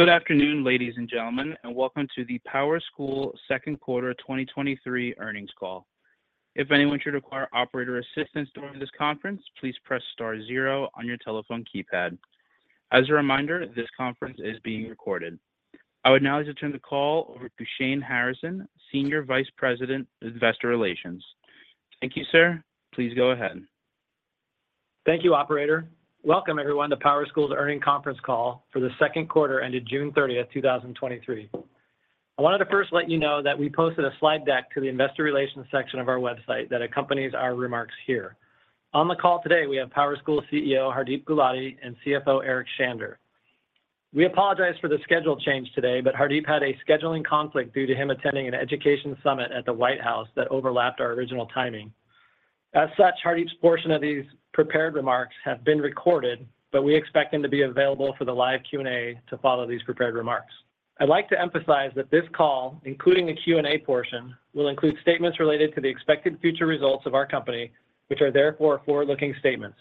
Good afternoon, ladies and gentlemen, and welcome to the PowerSchool Second Quarter 2023 Earnings Call. If anyone should require operator assistance during this conference, please press star zero on your telephone keypad. As a reminder, this conference is being recorded. I would now like to turn the call over to Shane Harrison, Senior Vice President, Investor Relations. Thank you, sir. Please go ahead. Thank you, Operator. Welcome everyone, to PowerSchool's Earning Conference Call for the second quarter ended June 30th, 2023. I wanted to first let you know that we posted a slide deck to the investor relations section of our website that accompanies our remarks here. On the call today, we have PowerSchool CEO, Hardeep Gulati, and CFO, Eric Shander. We apologize for the schedule change today, but Hardeep had a scheduling conflict due to him attending an Education Summit at the White House that overlapped our original timing. As such, Hardeep's portion of these prepared remarks have been recorded, but we expect him to be available for the live Q&A to follow these prepared remarks. I'd like to emphasize that this call, including the Q&A portion, will include statements related to the expected future results of our company, which are therefore forward-looking statements.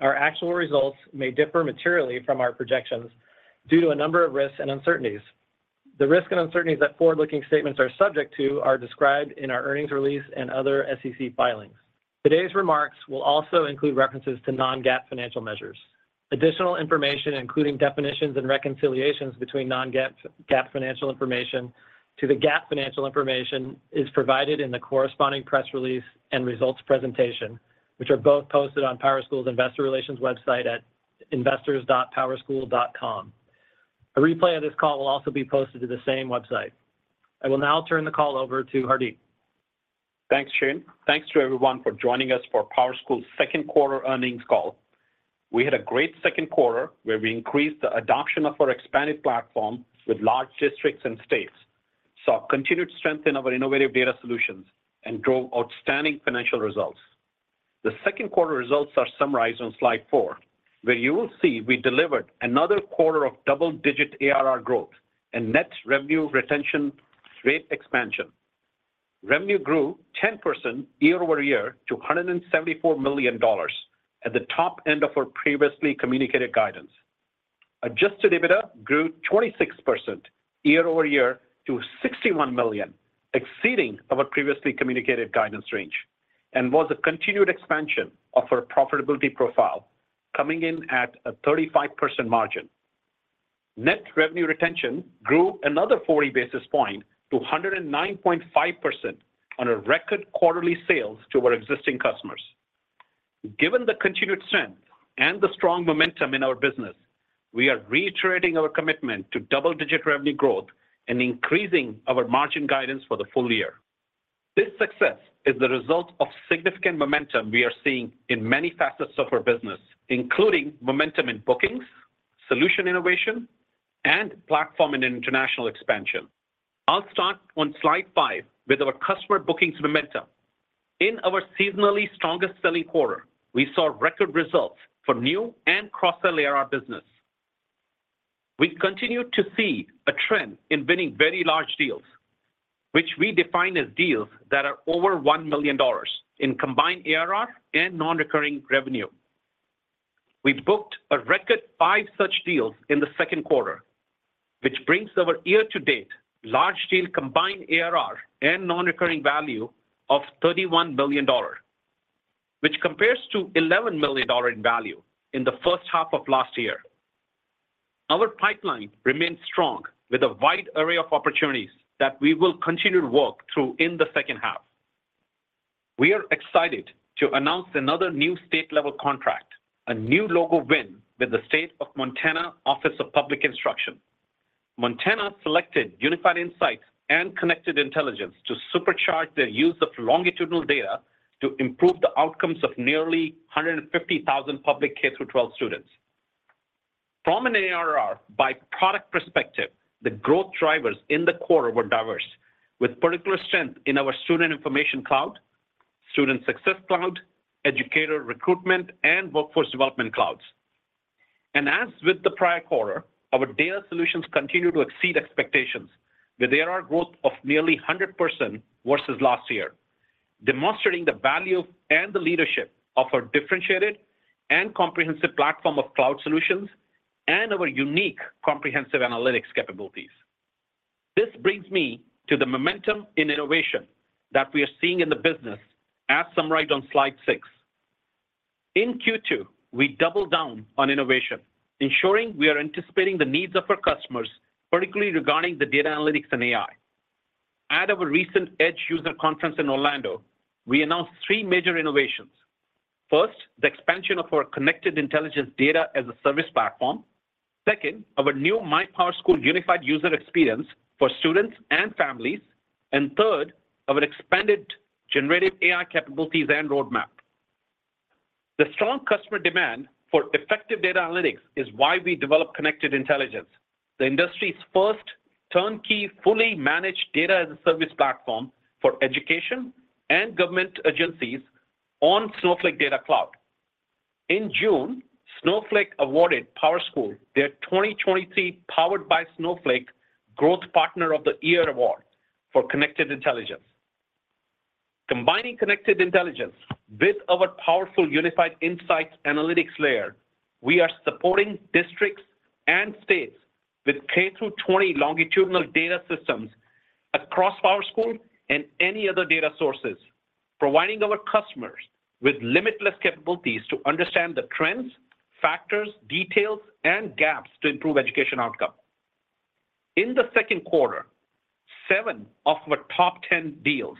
Our actual results may differ materially from our projections due to a number of risks and uncertainties. The risks and uncertainties that forward-looking statements are subject to are described in our earnings release and other SEC filings. Today's remarks will also include references to non-GAAP financial measures. Additional information, including definitions and reconciliations between non-GAAP, GAAP financial information to the GAAP financial information, is provided in the corresponding press release and results presentation, which are both posted on PowerSchool's Investor Relations website at investors.powerschool.com. A replay of this call will also be posted to the same website. I will now turn the call over to Hardeep. Thanks, Shane. Thanks to everyone for joining us for PowerSchool's second quarter earnings call. We had a great second quarter where we increased the adoption of our expanded platform with large districts and states, saw continued strength in our innovative data solutions, and drove outstanding financial results. The second quarter results are summarized on slide four, where you will see we delivered another quarter of double-digit ARR growth and net revenue retention rate expansion. Revenue grew 10% year-over-year to $174 million at the top end of our previously communicated guidance. Adjusted EBITDA grew 26% year-over-year to $61 million, exceeding our previously communicated guidance range, and was a continued expansion of our profitability profile, coming in at a 35% margin. Net revenue retention grew another 40 basis points to 109.5% on our record quarterly sales to our existing customers. Given the continued strength and the strong momentum in our business, we are reiterating our commitment to double-digit revenue growth and increasing our margin guidance for the full year. This success is the result of significant momentum we are seeing in many facets of our business, including momentum in bookings, solution innovation, and platform and international expansion. I'll start on slide five with our customer bookings momentum. In our seasonally strongest selling quarter, we saw record results for new and cross-sell ARR business. We continued to see a trend in winning very large deals, which we define as deals that are over $1 million in combined ARR and non-recurring revenue. We've booked a record five such deals in the second quarter, which brings our year-to-date large deal combined ARR and non-recurring value of $31 billion, which compares to $11 million in value in the first half of last year. Our pipeline remains strong, with a wide array of opportunities that we will continue to work through in the second half. We are excited to announce another new state-level contract, a new logo win with the State of Montana Office of Public Instruction. Montana selected Unified Insights and Connected Intelligence to supercharge their use of longitudinal data to improve the outcomes of nearly 150,000 public K-12 students. From an ARR by product perspective, the growth drivers in the quarter were diverse, with particular strength in our Student Information Cloud, Student Success Cloud, Educator Recruitment, and Workforce Development Clouds. As with the prior quarter, our data solutions continue to exceed expectations with ARR growth of nearly 100% versus last year, demonstrating the value and the leadership of our differentiated and comprehensive platform of cloud solutions and our unique comprehensive analytics capabilities. This brings me to the momentum in innovation that we are seeing in the business as summarized on slide six. In Q2, we doubled down on innovation, ensuring we are anticipating the needs of our customers, particularly regarding the Data Analytics and AI. At our recent EDGE User Conference in Orlando, we announced three major innovations. First, the expansion of our Connected Intelligence Data as a Service platform. Second, our new My PowerSchool unified user experience for students and families. Third, our expanded generative AI capabilities and roadmap. The strong customer demand for effective Data Analytics is why we developed Connected Intelligence, the industry's first turnkey, fully managed Data as a Service platform for education and government agencies on Snowflake Data Cloud. In June, Snowflake awarded PowerSchool their 2023 Powered by Snowflake Growth Partner of the Year award for Connected Intelligence. Combining Connected Intelligence with our powerful Unified Insights analytics layer we are supporting districts and states with K-20 longitudinal data systems across PowerSchool and any other data sources providing our customers with limitless capabilities to understand the trends, factors, details, and gaps to improve education outcome. In the second quarter, seven of our top 10 deals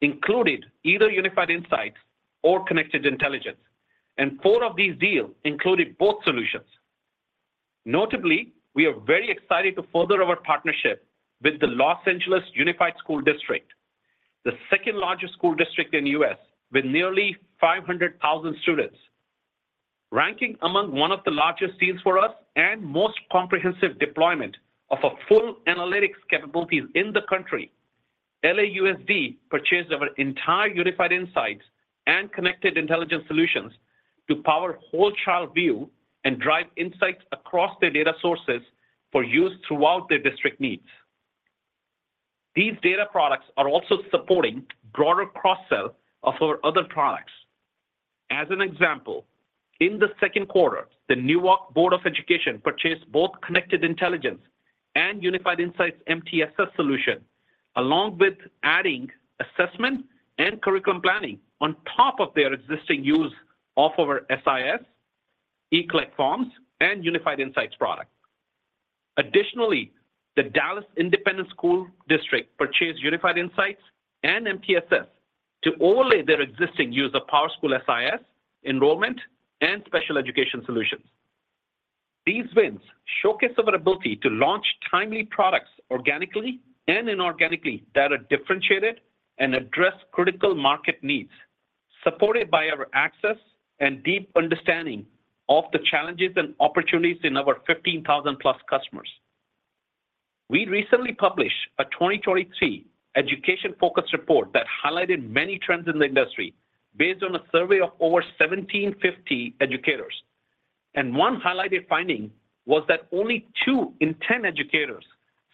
included either Unified Insights or Connected Intelligence, and four of these deals included both solutions. Notably, we are very excited to further our partnership with the Los Angeles Unified School District, the second-largest school district in U.S., with nearly 500,000 students. Ranking among one of the largest deals for us and most comprehensive deployment of our full analytics capabilities in the country, LAUSD purchased our entire Unified Insights and Connected Intelligence solutions to power Whole-Child View and drive insights across their data sources for use throughout their district needs. These data products are also supporting broader cross-sell of our other products. As an example, in the second quarter, the Newark Board of Education purchased both Connected Intelligence and Unified Insights MTSS solution, along with adding assessment and curriculum planning on top of their existing use of our SIS, Ecollect Forms, and Unified Insights product. Additionally, the Dallas Independent School District purchased Unified Insights and MTSS to overlay their existing use of PowerSchool SIS, enrollment, and special education solutions. These wins showcase our ability to launch timely products organically and inorganically that are differentiated and address critical market needs, supported by our access and deep understanding of the challenges and opportunities in our 15,000+ customers. We recently published a 2023 Education Focus Report that highlighted many trends in the industry based on a survey of over 1,750 educators. One highlighted finding was that only 2 in 10 educators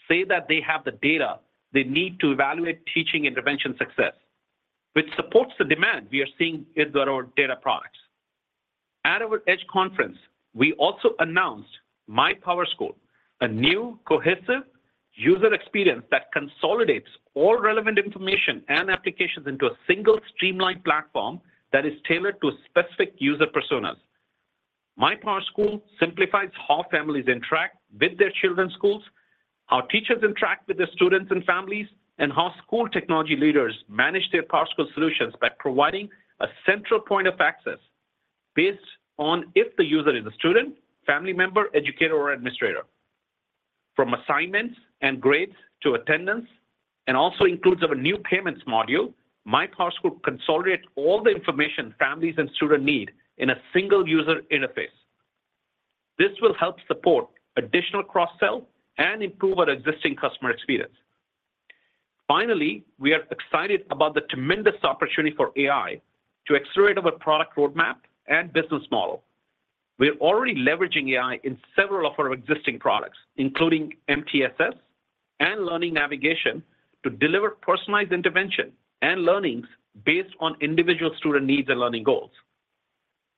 say that they have the data they need to evaluate teaching intervention success, which supports the demand we are seeing in our data products. At our EDGE conference, we also announced My PowerSchool, a new cohesive user experience that consolidates all relevant information and applications into a single streamlined platform that is tailored to specific user personas. My PowerSchool simplifies how families interact with their children's schools, how teachers interact with their students and families, and how school technology leaders manage their PowerSchool solutions by providing a central point of access based on if the user is a student, family member, educator, or administrator. From assignments and grades to attendance, and also includes our new payments module, My PowerSchool consolidates all the information families and student need in a single user interface. This will help support additional cross-sell and improve our existing customer experience. Finally, we are excited about the tremendous opportunity for AI to accelerate our product roadmap and business model. We are already leveraging AI in several of our existing products, including MTSS and learning navigation, to deliver personalized intervention and learnings based on individual student needs and learning goals.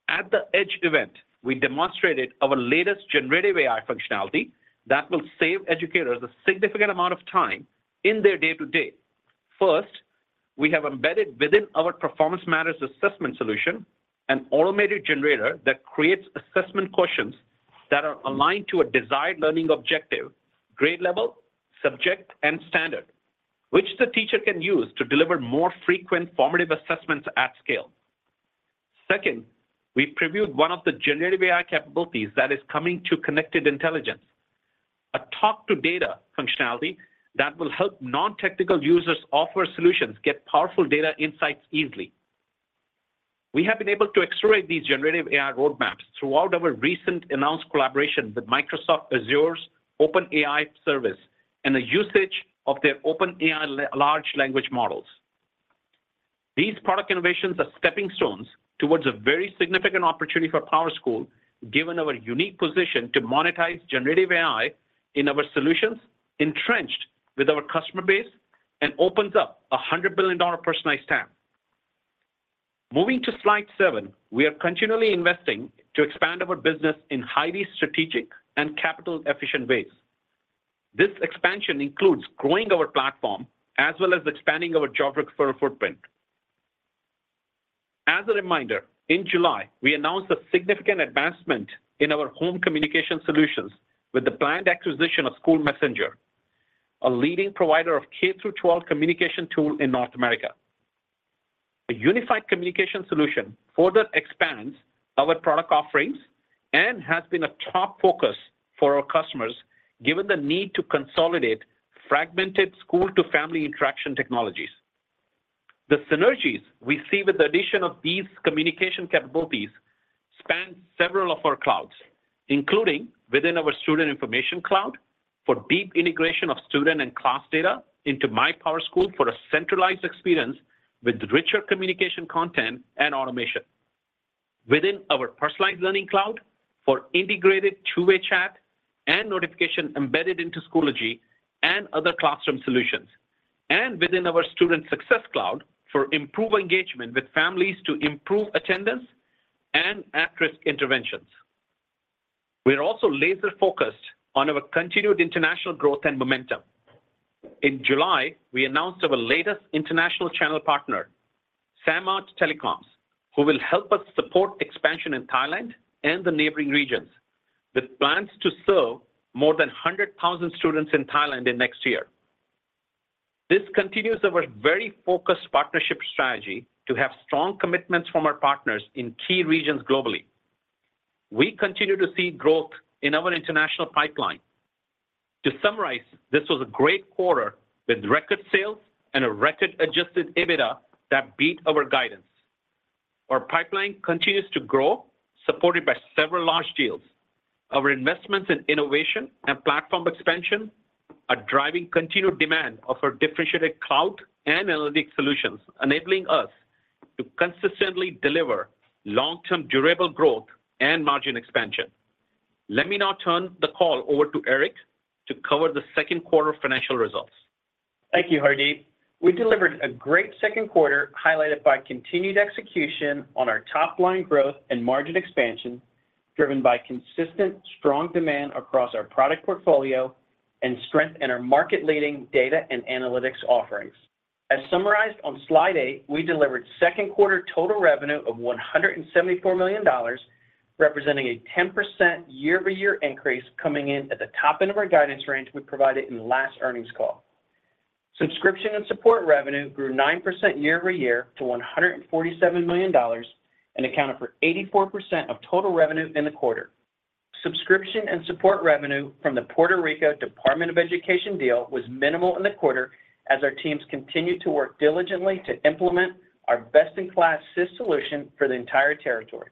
At the EDGE event, we demonstrated our latest generative AI functionality that will save educators a significant amount of time in their day-to-day. First, we have embedded within our Performance Matters assessment solution, an automated generator that creates assessment questions that are aligned to a desired learning objective, grade level, subject, and standard, which the teacher can use to deliver more frequent formative assessments at scale. Second, we previewed one of the generative AI capabilities that is coming to Connected Intelligence, a talk to data functionality that will help non-technical users of our solutions get powerful data insights easily. We have been able to accelerate these generative AI roadmaps throughout our recent announced collaboration with Microsoft Azure's OpenAI service and the usage of their OpenAI large language models. These product innovations are stepping stones towards a very significant opportunity for PowerSchool, given our unique position to monetize Generative AI in our solutions, entrenched with our customer base and opens up a $100 billion personalized TAM. Moving to slide seven, we are continually investing to expand our business in highly strategic and capital-efficient ways. This expansion includes growing our platform as well as expanding our geographic footprint. As a reminder, in July, we announced a significant advancement in our home communication solutions with the planned acquisition of SchoolMessenger, a leading provider of K-12 Communication Tool in North America. A unified communication solution further expands our product offerings and has been a top focus for our customers, given the need to consolidate fragmented school-to-family interaction technologies. The synergies we see with the addition of these communication capabilities span several of our clouds, including within our Student Information Cloud for deep integration of student and class data into My PowerSchool for a centralized experience with richer communication, content, and automation. Within our Personalized Learning Cloud for integrated two-way chat and notification embedded into Schoology and other classroom solutions and within our Student Success Cloud for improved engagement with families to improve attendance and at-risk interventions. We are also laser-focused on our continued international growth and momentum. In July, we announced our latest international channel partner, Samart Telcoms, who will help us support expansion in Thailand and the neighboring regions, with plans to serve more than 100,000 students in Thailand in next year. This continues our very focused partnership strategy to have strong commitments from our partners in key regions globally. We continue to see growth in our international pipeline. To summarize, this was a great quarter with record sales and a record adjusted EBITDA that beat our guidance. Our pipeline continues to grow, supported by several large deals. Our investments in innovation and platform expansion are driving continued demand of our differentiated cloud and analytic solutions, enabling us to consistently deliver long-term, durable growth and margin expansion. Let me now turn the call over to Eric to cover the second quarter financial results. Thank you, Hardeep. We delivered a great second quarter, highlighted by continued execution on our top line growth and margin expansion, driven by consistent, strong demand across our product portfolio and strength in our market-leading data and analytics offerings. As summarized on slide eight, we delivered second quarter total revenue of $174 million, representing a 10% year-over-year increase coming in at the top end of our guidance range we provided in the last earnings call. Subscription and support revenue grew 9% year-over-year to $147 million and accounted for 84% of total revenue in the quarter. Subscription and support revenue from the Puerto Rico Department of Education deal was minimal in the quarter as our teams continued to work diligently to implement our best-in-class SIS solution for the entire territory.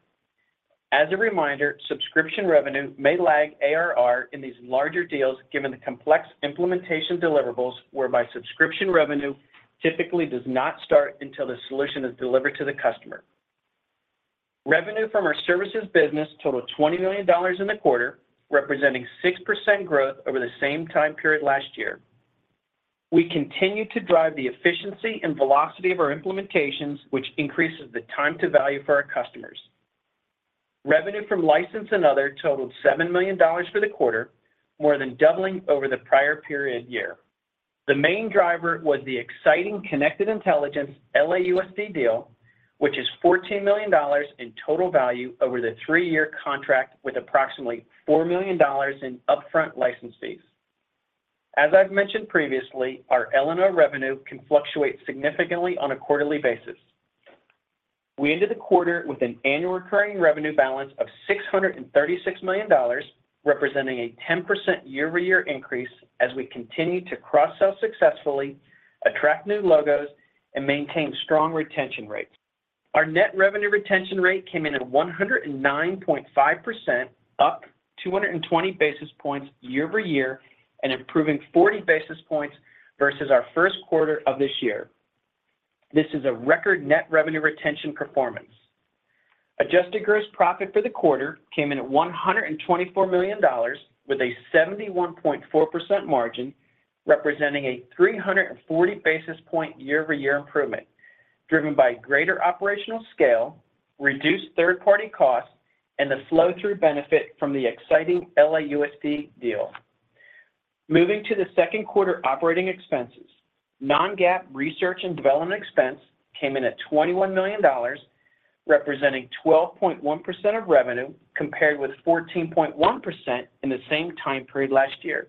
As a reminder, subscription revenue may lag ARR in these larger deals, given the complex implementation deliverables, whereby subscription revenue typically does not start until the solution is delivered to the customer. Revenue from our services business totaled $20 million in the quarter, representing 6% growth over the same time period last year. We continue to drive the efficiency and velocity of our implementations, which increases the time to value for our customers. Revenue from license and other totaled $7 million for the quarter, more than doubling over the prior period year. The main driver was the exciting Connected Intelligence LAUSD deal, which is $14 million in total value over the three year contract, with approximately $4 million in upfront license fees. As I've mentioned previously, our L&O revenue can fluctuate significantly on a quarterly basis. We ended the quarter with an annual recurring revenue balance of $636 million, representing a 10% year-over-year increase as we continue to cross-sell successfully, attract new logos, and maintain strong retention rates. Our net revenue retention rate came in at 109.5%, up 220 basis points year-over-year and improving 40 basis points versus our first quarter of this year. This is a record net revenue retention performance. Adjusted gross profit for the quarter came in at $124 million, with a 71.4% margin, representing a 340 basis point year-over-year improvement, driven by greater operational scale, reduced third-party costs, and the flow-through benefit from the exciting LAUSD deal. Moving to the second quarter operating expenses. Non-GAAP research and development expense came in at $21 million, representing 12.1% of revenue, compared with 14.1% in the same time period last year.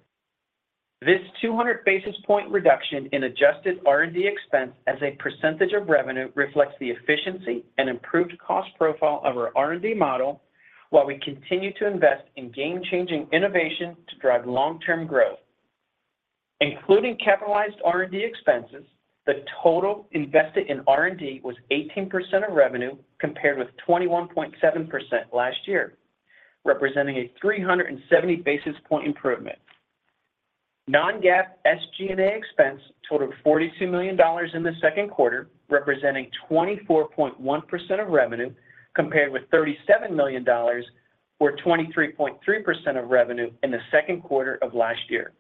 This 200 basis point reduction in adjusted R&D expense as a percentage of revenue reflects the efficiency and improved cost profile of our R&D model, while we continue to invest in game-changing innovation to drive long-term growth. Including capitalized R&D expenses, the total invested in R&D was 18% of revenue, compared with 21.7% last year, representing a 370 basis point improvement. Non-GAAP SG&A expense totaled $42 million in the second quarter, representing 24.1% of revenue, compared with $37 million or 23.3% of revenue in the second quarter of last year.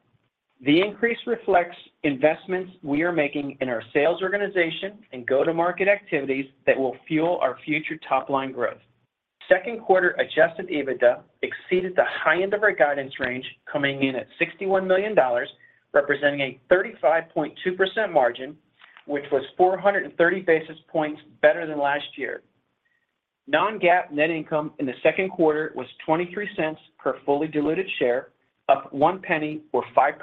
The increase reflects investments we are making in our sales organization and go-to-market activities that will fuel our future top-line growth. Second quarter adjusted EBITDA exceeded the high end of our guidance range, coming in at $61 million, representing a 35.2% margin, which was 430 basis points better than last year. non-GAAP net income in the second quarter was $0.23 per fully diluted share, up $0.01 or 5%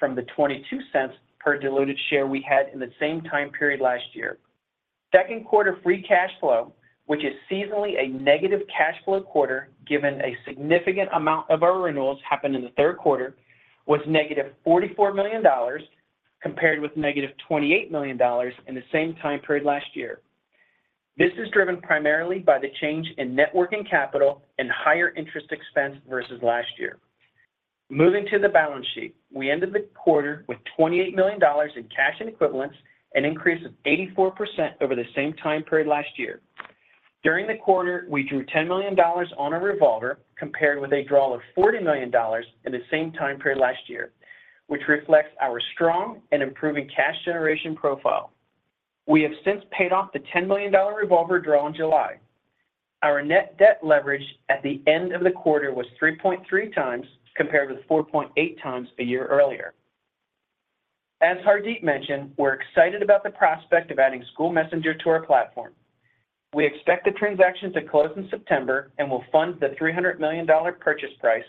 from the $0.22 per diluted share we had in the same time period last year. Second quarter free cash flow, which is seasonally a negative cash flow quarter, given a significant amount of our renewals happened in the third quarter, was -$44 million, compared with -$28 million in the same time period last year. This is driven primarily by the change in net working capital and higher interest expense versus last year. Moving to the balance sheet. We ended the quarter with $28 million in cash and equivalents, an increase of 84% over the same time period last year. During the quarter, we drew $10 million on our revolver, compared with a draw of $40 million in the same time period last year, which reflects our strong and improving cash generation profile. We have since paid off the $10 million revolver draw in July. Our net debt leverage at the end of the quarter was 3.3x, compared with 4.8x a year earlier. As Hardeep mentioned, we're excited about the prospect of adding SchoolMessenger to our platform. We expect the transaction to close in September, and we'll fund the $300 million purchase price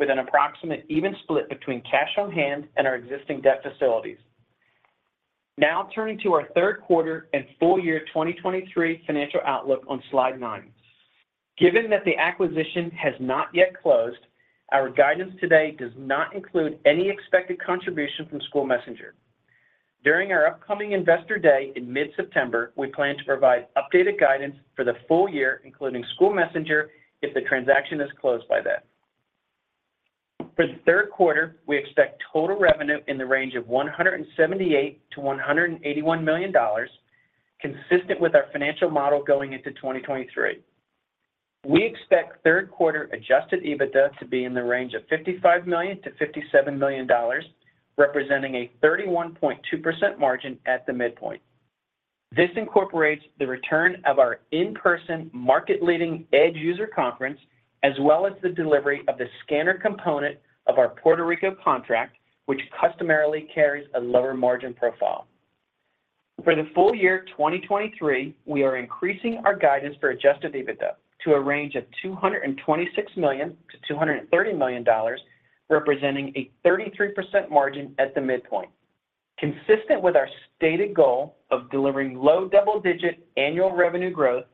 with an approximate even split between cash on hand and our existing debt facilities. Now, turning to our third quarter and full year 2023 financial outlook on slide nine. Given that the acquisition has not yet closed, our guidance today does not include any expected contribution from SchoolMessenger. During our upcoming Investor Day in mid-September, we plan to provide updated guidance for the full year, including SchoolMessenger, if the transaction is closed by then. For the third quarter, we expect total revenue in the range of $178 million-$181 million, consistent with our financial model going into 2023. We expect third quarter Adjusted EBITDA to be in the range of $55 million-$57 million, representing a 31.2% margin at the midpoint. This incorporates the return of our in-person market-leading EDGE User Conference, as well as the delivery of the scanner component of our Puerto Rico contract, which customarily carries a lower margin profile. For the full year 2023, we are increasing our guidance for adjusted EBITDA to a range of $226 million-$230 million, representing a 33% margin at the midpoint. Consistent with our stated goal of delivering low double-digit annual revenue growth,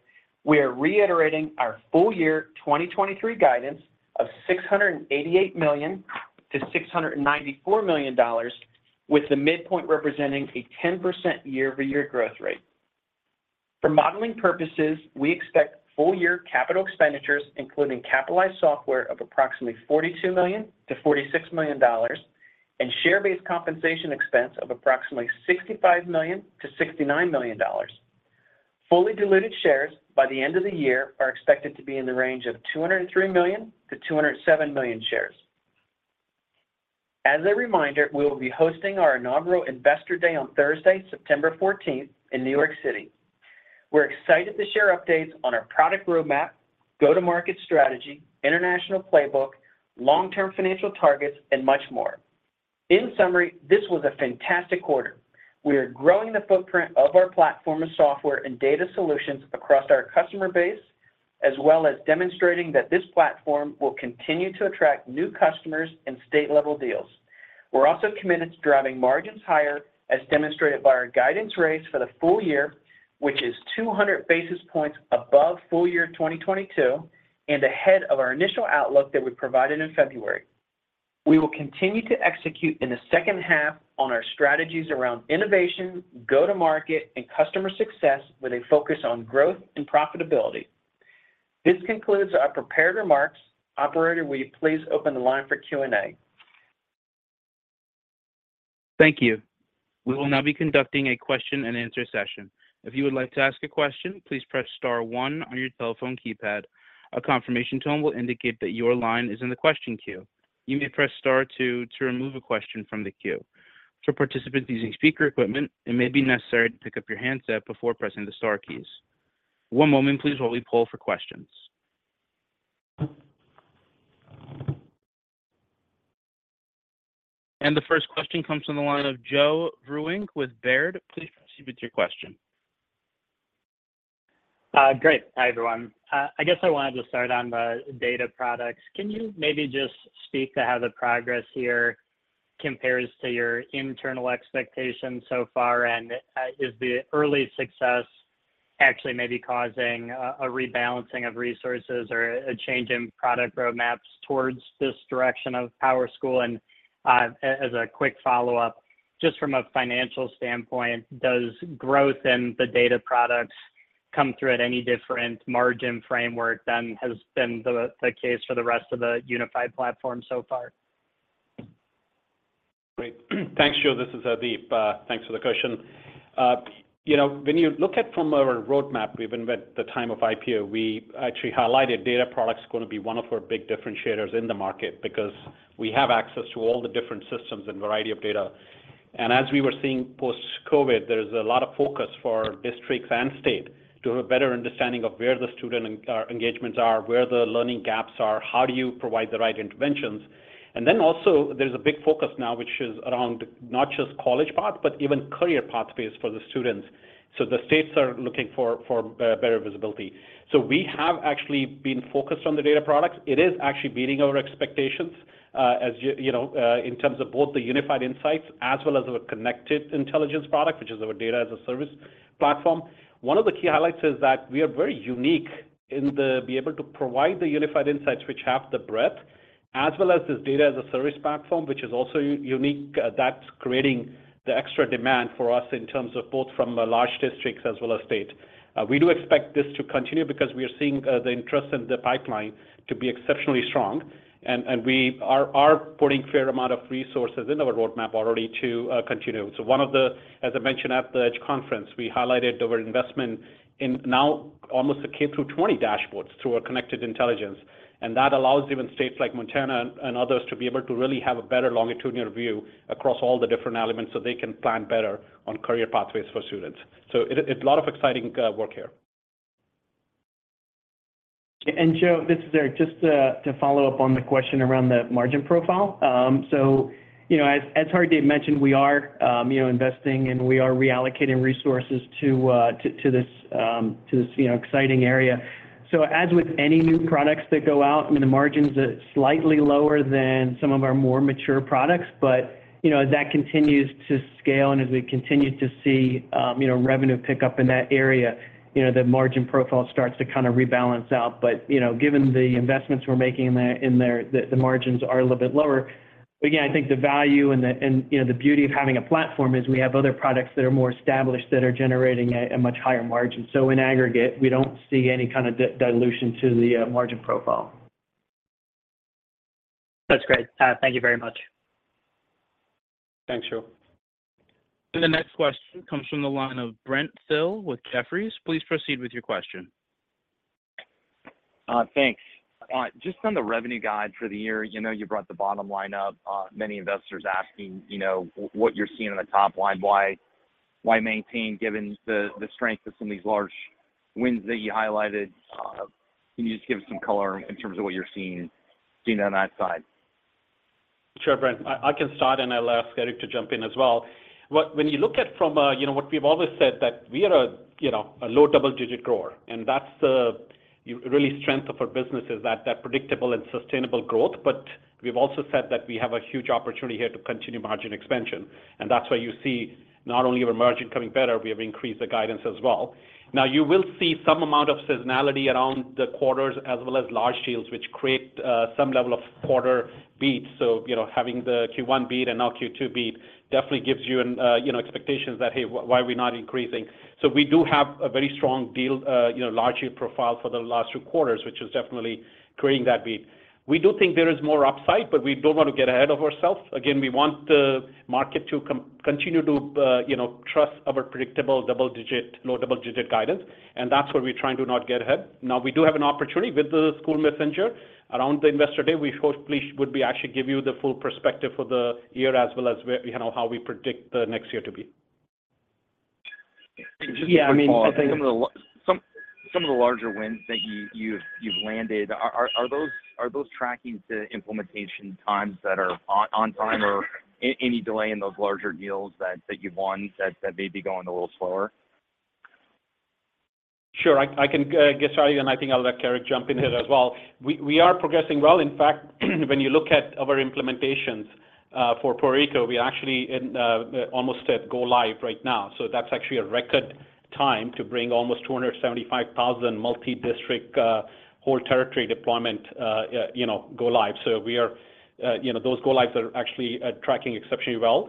we are reiterating our full year 2023 guidance of $688 million-$694 million, with the midpoint representing a 10% year-over-year growth rate. For modeling purposes, we expect full year capital expenditures, including capitalized software, of approximately $42 million-$46 million, and share-based compensation expense of approximately $65 million-$69 million. Fully diluted shares by the end of the year are expected to be in the range of 203 million-207 million shares. As a reminder, we will be hosting our inaugural Investor Day on Thursday, September 14th, in New York City. We're excited to share updates on our product roadmap, go-to-market strategy, international playbook, long-term financial targets, and much more. In summary, this was a fantastic quarter. We are growing the footprint of our platform of software and data solutions across our customer base, as well as demonstrating that this platform will continue to attract new customers and state-level deals. We're also committed to driving margins higher, as demonstrated by our guidance raise for the full year, which is 200 basis points above full year 2022 and ahead of our initial outlook that we provided in February. We will continue to execute in the second half on our strategies around innovation, go-to-market, and customer success, with a focus on growth and profitability. This concludes our prepared remarks. Operator, will you please open the line for Q&A? Thank you. We will now be conducting a question-and-answer session. If you would like to ask a question, please press star one on your telephone keypad. A confirmation tone will indicate that your line is in the question queue. You may press star two to remove a question from the queue. For participants using speaker equipment, it may be necessary to pick up your handset before pressing the star keys. One moment, please, while we pull for questions. The first question comes from the line of Joe Vruwink with Baird. Please proceed with your question. Great. Hi, everyone. I guess I wanted to start on the data products. Can you maybe just speak to how the progress here compares to your internal expectations so far? Is the early success actually maybe causing a, a rebalancing of resources or a change in product roadmaps towards this direction of PowerSchool? As a quick follow-up, just from a financial standpoint, does growth in the data products come through at any different margin framework than has been the, the case for the rest of the unified platform so far? Great. Thanks, Joe. This is Hardeep. Thanks for the question. You know, when you look at from our roadmap, even at the time of IPO, we actually highlighted data products is gonna be one of our big differentiators in the market because we have access to all the different systems and variety of data. As we were seeing post-COVID, there's a lot of focus for districts and state to have a better understanding of where the student engagements are, where the learning gaps are, how do you provide the right interventions? Then also, there's a big focus now, which is around not just college paths, but even career pathways for the students. The states are looking for better visibility. We have actually been focused on the data products. It is actually beating our expectations as you, you know, in terms of both the Unified Insights as well as our Connected Intelligence product, which is our Data as a Service platform. One of the key highlights is that we are very unique in the be able to provide the Unified Insights which have the breadth, as well as this Data as a Service platform, which is also unique. That's creating the extra demand for us in terms of both from the large districts as well as state. We do expect this to continue because we are seeing, the interest in the pipeline to be exceptionally strong, and we are putting fair amount of resources in our roadmap already to continue. One of the, as I mentioned at the EDGE conference, we highlighted our investment in now almost a K-20 dashboards through our Connected Intelligence, and that allows even states like Montana and others to be able to really have a better longitudinal view across all the different elements, so they can plan better on career pathways for students. A lot of exciting work here. Joe, this is Eric. Just to follow up on the question around the margin profile. So, you know, as Hardeep mentioned, we are, you know, investing, and we are reallocating resources to, to this, to this, you know, exciting area. As with any new products that go out, I mean, the margin's slightly lower than some of our more mature products. You know, as that continues to scale, and as we continue to see, you know, revenue pick up in that area, you know, the margin profile starts to kind of rebalance out. You know, given the investments we're making in there, the margins are a little bit lower. Again, I think the value and the, and, you know, the beauty of having a platform is we have other products that are more established that are generating a much higher margin. In aggregate, we don't see any kind of dilution to the margin profile. That's great. Thank you very much. Thanks, Joe. The next question comes from the line of Brent Thill with Jefferies. Please proceed with your question. Thanks. Just on the revenue guide for the year, you know, you brought the bottom line up. Many investors asking, you know, what you're seeing on the top line, why, why maintain, given the, the strength of some of these large wins that you highlighted? Can you just give some color in terms of what you're seeing on that side? Sure, Brent. I, I can start, and I'll ask Eric to jump in as well. When you look at from a, you know, what we've always said that we are a, you know, a low double-digit grower, and that's the really strength of our business is that, that predictable and sustainable growth. We've also said that we have a huge opportunity here to continue margin expansion, and that's why you see not only our margin becoming better, we have increased the guidance as well. You will see some amount of seasonality around the quarters, as well as large deals, which create some level of quarter beat. You know, having the Q1 beat and now Q2 beat definitely gives you an, you know, expectations that, "Hey, why are we not increasing?" We do have a very strong deal, you know, large deal profile for the last two quarters, which is definitely creating that beat. We do think there is more upside, but we don't want to get ahead of ourselves. Again, we want the market to continue to, you know, trust our predictable double-digit, low double-digit guidance, and that's where we're trying to not get ahead. We do have an opportunity with the SchoolMessenger around the Investor Day. We hopefully would be actually give you the full perspective for the year as well as where, you know, how we predict the next year to be. Yeah, I mean. Some of the larger wins that you, you've, you've landed, are those tracking to implementation times that are on, on time, or any delay in those larger deals that, that you've won that, that may be going a little slower? Sure, I, I can get started, and I think I'll let Eric jump in here as well. We, we are progressing well. In fact, when you look at our implementations for Puerto Rico, we actually in almost at go live right now. That's actually a record time to bring almost 275,000 multi-district whole territory deployment, you know, go live. We are, you know, those go lives are actually tracking exceptionally well.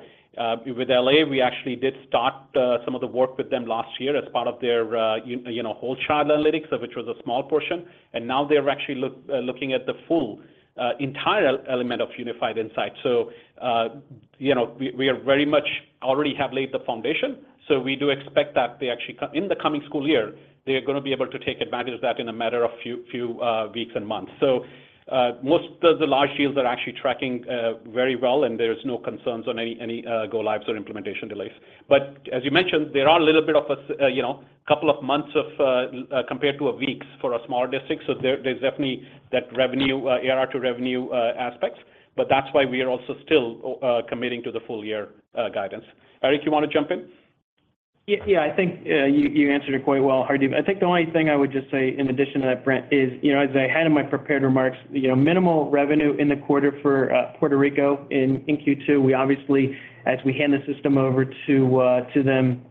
With L.A., we actually did start some of the work with them last year as part of their, you know, Whole-Child analytics, of which was a small portion. Now they're actually looking at the full entire element of Unified Insights. You know, we, we are very much already have laid the foundation, so we do expect that they actually, in the coming school year, they are gonna be able to take advantage of that in a matter of few, few weeks and months. Most of the large deals are actually tracking very well, and there's no concerns on any, any go lives or implementation delays. As you mentioned, there are a little bit of, you know, couple of months compared to a weeks for a smaller district. There, there's definitely that revenue, ARR to revenue aspects, but that's why we are also still committing to the full year guidance. Eric, you wanna jump in? Yeah, yeah, I think, you, you answered it quite well, Hardeep. I think the only thing I would just say in addition to that, Brent, is, you know, as I had in my prepared remarks, you know, minimal revenue in the quarter for Puerto Rico in Q2. We obviously, as we hand the system over to them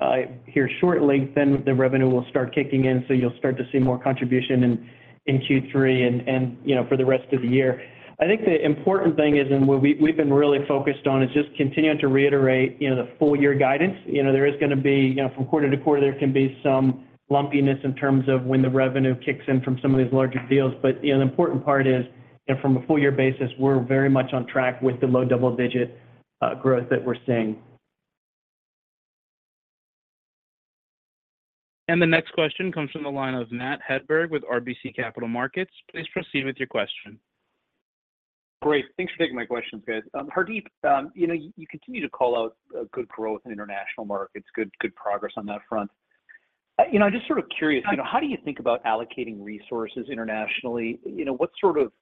here shortly, then the revenue will start kicking in, so you'll start to see more contribution in Q3 and, and, you know, for the rest of the year. I think the important thing is, and where we've been really focused on, is just continuing to reiterate, you know, the full year guidance. You know, there is gonna be, you know, from quarter-to-quarter, there can be some lumpiness in terms of when the revenue kicks in from some of these larger deals. You know, the important part is, you know, from a full year basis, we're very much on track with the low double digit growth that we're seeing. The next question comes from the line of Matt Hedberg with RBC Capital Markets. Please proceed with your question. Great. Thanks for taking my questions, guys. Hardeep, you know, you continue to call out good growth in international markets, good, good progress on that front. You know, I'm just sort of curious, you know, how do you think about allocating resources internationally? You know, what sort of,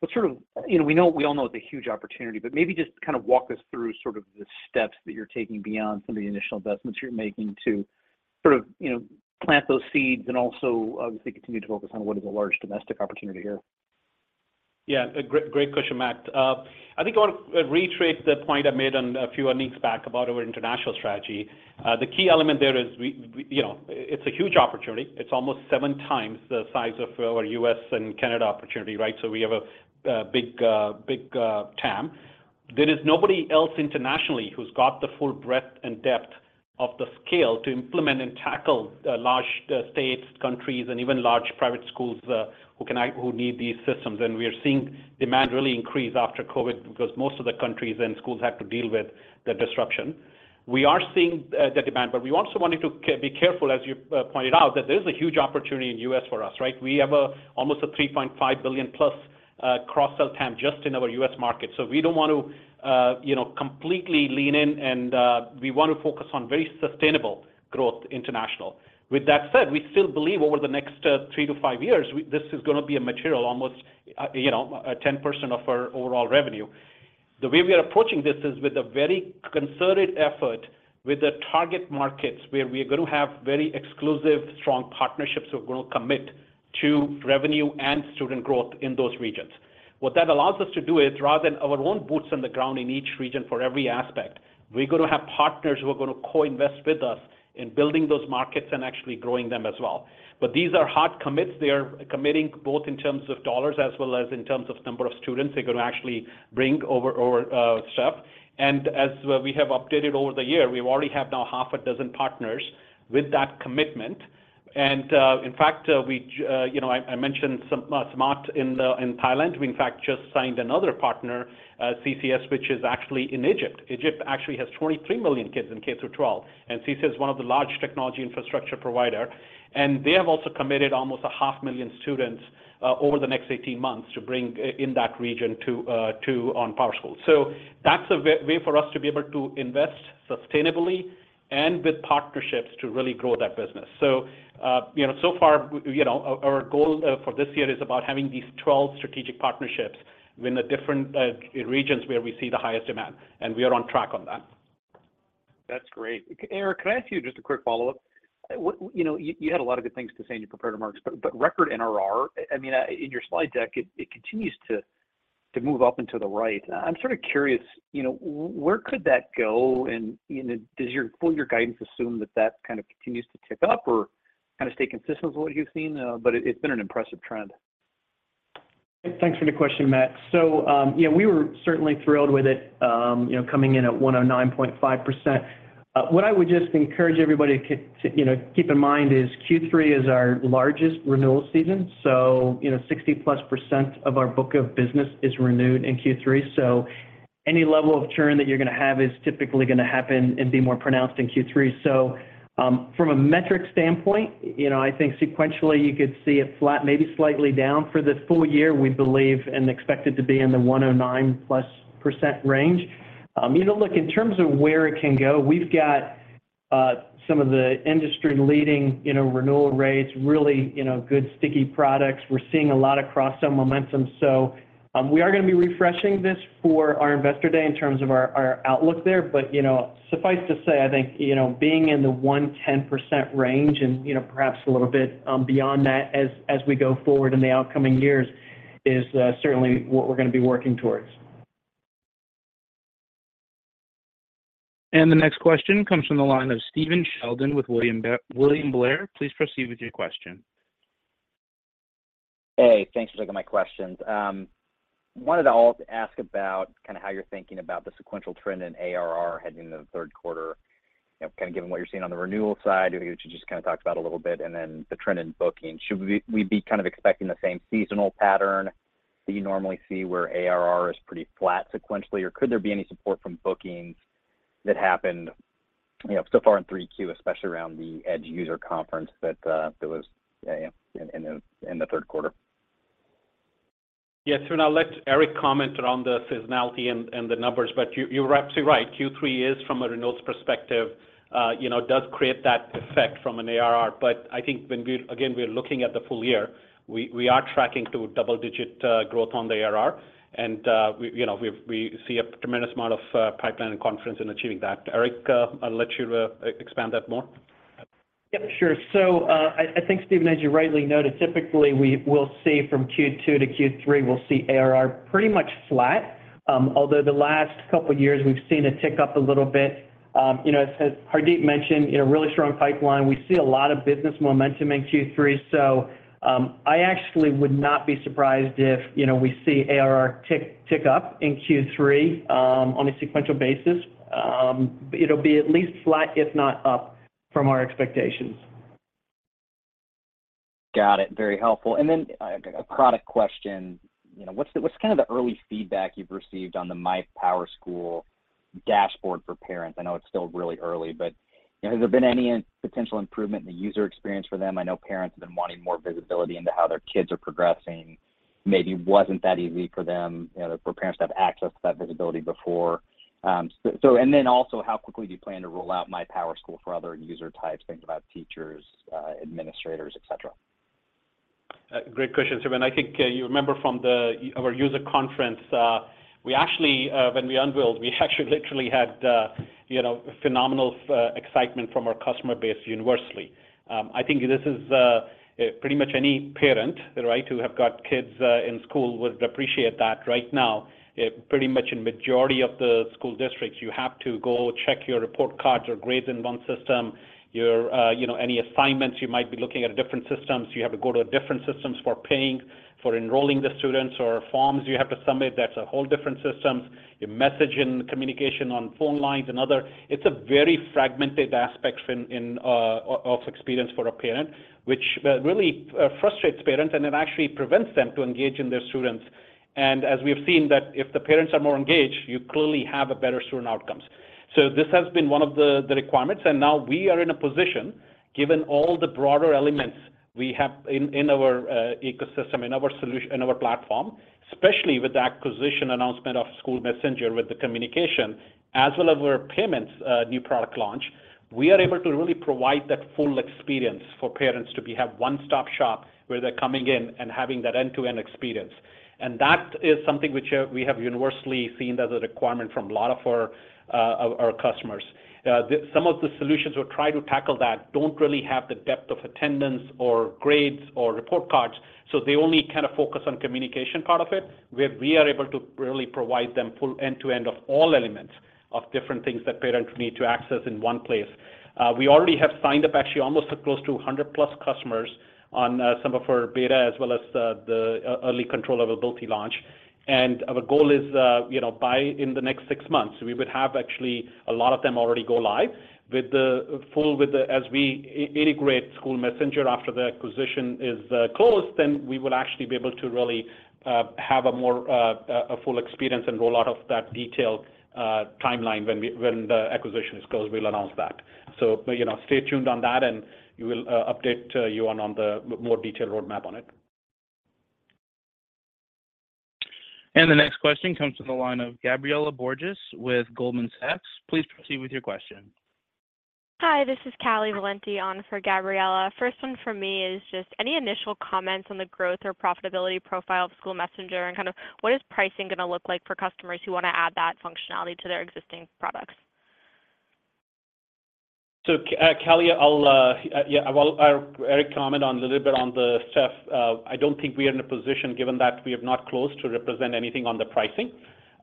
what sort of, you know, we know, we all know it's a huge opportunity, but maybe just kind of walk us through sort of the steps that you're taking beyond some of the initial investments you're making to sort of, you know, plant those seeds and also, obviously, continue to focus on what is a large domestic opportunity here? Yeah, a great, great question, Matt. I think I want to retread the point I made on a few earnings back about our international strategy. The key element there is we, you know, it's a huge opportunity. It's almost 7x the size of our U.S. and Canada opportunity, right? We have a big, big TAM. There is nobody else internationally who's got the full breadth and depth of the scale to implement and tackle large states, countries, and even large private schools who need these systems. We are seeing demand really increase after COVID because most of the countries and schools have to deal with the disruption. We are seeing the demand. We also wanted to be careful, as you pointed out, that there's a huge opportunity in U.S. for us, right? We have a, almost a $3.5 billion+ cross-sell TAM just in our U.S. market. We don't want to, you know, completely lean in, and we want to focus on very sustainable growth international. With that said, we still believe over the next three to five years, this is gonna be a material, almost, you know, a 10% of our overall revenue. The way we are approaching this is with a very concerted effort with the target markets, where we are gonna have very exclusive, strong partnerships who are gonna commit to revenue and student growth in those regions. What that allows us to do is, rather than our own boots on the ground in each region for every aspect, we're gonna have partners who are gonna co-invest with us in building those markets and actually growing them as well. These are hard commits. They are committing both in terms of dollars as well as in terms of number of students they're gonna actually bring over, over stuff. As we have updated over the year, we already have now half a dozen partners with that commitment. In fact, you know, I mentioned Samart in the, in Thailand. We, in fact, just signed another partner, CCS, which is actually in Egypt. Egypt actually has 23 million kids in K-12, and CCS is one of the large technology infrastructure provider, and they have also committed almost 500,000 students over the next 18 months to bring in that region to on PowerSchool. That's a way for us to be able to invest sustainably and with partnerships to really grow that business. You know, so far, you know, our, our goal for this year is about having these 12 strategic partnerships within the different regions where we see the highest demand, and we are on track on that. That's great. Eric, can I ask you just a quick follow-up? You know, you, you had a lot of good things to say in your prepared remarks, but record NRR, I mean, in your slide deck, it, it continues to, to move up and to the right. I'm sort of curious, you know, where could that go, and, you know, does your full year guidance assume that that kind of continues to tick up or kind of stay consistent with what you've seen? It, it's been an impressive trend. Thanks for the question, Matt. You know, we were certainly thrilled with it, you know, coming in at 109.5%. What I would just encourage everybody, you know, keep in mind is Q3 is our largest renewal season. You know, 60%+ of our book of business is renewed in Q3. Any level of churn that you're gonna have is typically gonna happen and be more pronounced in Q3. From a metric standpoint, you know, I think sequentially, you could see it flat, maybe slightly down. For the full year, we believe and expect it to be in the 109%+ range. You know, look, in terms of where it can go, we've got some of the industry-leading, you know, renewal rates, really, you know, good, sticky products. We're seeing a lot of cross-sell momentum. We are gonna be refreshing this for our Investor Day in terms of our, our outlook there, you know, suffice to say, I think, you know, being in the 110% range and, you know, perhaps a little bit beyond that as, as we go forward in the upcoming years is certainly what we're gonna be working towards. The next question comes from the line of Stephen Sheldon with William Blair. Please proceed with your question. Hey, thanks for taking my questions. Wanted to also ask about kind of how you're thinking about the sequential trend in ARR heading into the third quarter, you know, kind of given what you're seeing on the renewal side, which you just kind of talked about a little bit, and then the trend in booking. Should we, we be kind of expecting the same seasonal pattern that you normally see where ARR is pretty flat sequentially, or could there be any support from bookings that happened, you know, so far in 3Q, especially around the Edge User Conference that was, yeah, in, in, in the third quarter? Yeah. I'll let Eric comment around the seasonality and, and the numbers, you, you're absolutely right. Q3 is from a renewals perspective, you know, does create that effect from an ARR. I think when we again, we are looking at the full year, we, we are tracking to double-digit growth on the ARR, and we, you know, we, we see a tremendous amount of pipeline and confidence in achieving that. Eric, I'll let you expand that more. Yep, sure. I, I think, Stephen, as you rightly noted, typically, we will see from Q2 to Q3, we'll see ARR pretty much flat. Although the last couple of years, we've seen it tick up a little bit. You know, as, as Hardeep mentioned, you know, really strong pipeline. We see a lot of business momentum in Q3, I actually would not be surprised if, you know, we see ARR tick, tick up in Q3, on a sequential basis. It'll be at least flat, if not up from our expectations. Got it. Very helpful. Then, a product question. You know, what's kind of the early feedback you've received on the My PowerSchool dashboard for parents? I know it's still really early, but, you know, has there been any potential improvement in the user experience for them? I know parents have been wanting more visibility into how their kids are progressing. Maybe it wasn't that easy for them, you know, for parents to have access to that visibility before. Then also, how quickly do you plan to roll out My PowerSchool for other user types, things about teachers, administrators, et cetera? Great question. I think you remember from our User Conference, we actually when we unveiled, we actually literally had, you know, phenomenal excitement from our customer base universally. I think this is pretty much any parent, right, who have got kids in school would appreciate that. Right now, pretty much in majority of the school districts, you have to go check your report cards or grades in one system, your, you know, any assignments, you might be looking at different systems. You have to go to a different systems for paying, for enrolling the students or forms you have to submit, that's a whole different system. Your message and communication on phone lines. It's a very fragmented aspects in, of experience for a parent, which really frustrates parents, and it actually prevents them to engage in their students. As we have seen that if the parents are more engaged, you clearly have a better student outcomes. This has been one of the, the requirements, and now we are in a position, given all the broader elements we have in our ecosystem, in our solution, in our platform, especially with the acquisition announcement of SchoolMessenger, with the communication, as well as our payments, new product launch, we are able to really provide that full experience for parents to be have one-stop shop, where they're coming in and having that end-to-end experience. That is something which we have universally seen as a requirement from a lot of our customers. Some of the solutions we've tried to tackle that don't really have the depth of attendance or grades or report cards, so they only kind of focus on communication part of it, where we are able to really provide them full end-to-end of all elements of different things that parents need to access in one place. We already have signed up actually almost close to 100+ customers on some of our beta as well as the early control availability launch. Our goal is, you know, by in the next six months, we would have actually a lot of them already go live with the full with the, as we integrate SchoolMessenger after the acquisition is closed, then we will actually be able to really have a more a full experience and roll out of that detailed timeline. When the acquisition is closed, we'll announce that. You know, stay tuned on that, and we will update you on the more detailed roadmap on it. The next question comes from the line of Gabriela Borges with Goldman Sachs. Please proceed with your question. Hi, this is Callie Valenti on for Gabriela. First one for me is just, any initial comments on the growth or profitability profile of SchoolMessenger, kind of what is pricing gonna look like for customers who want to add that functionality to their existing products? Callie, I'll, yeah, well, Eric comment on a little bit on the stuff. I don't think we are in a position, given that we have not closed, to represent anything on the pricing.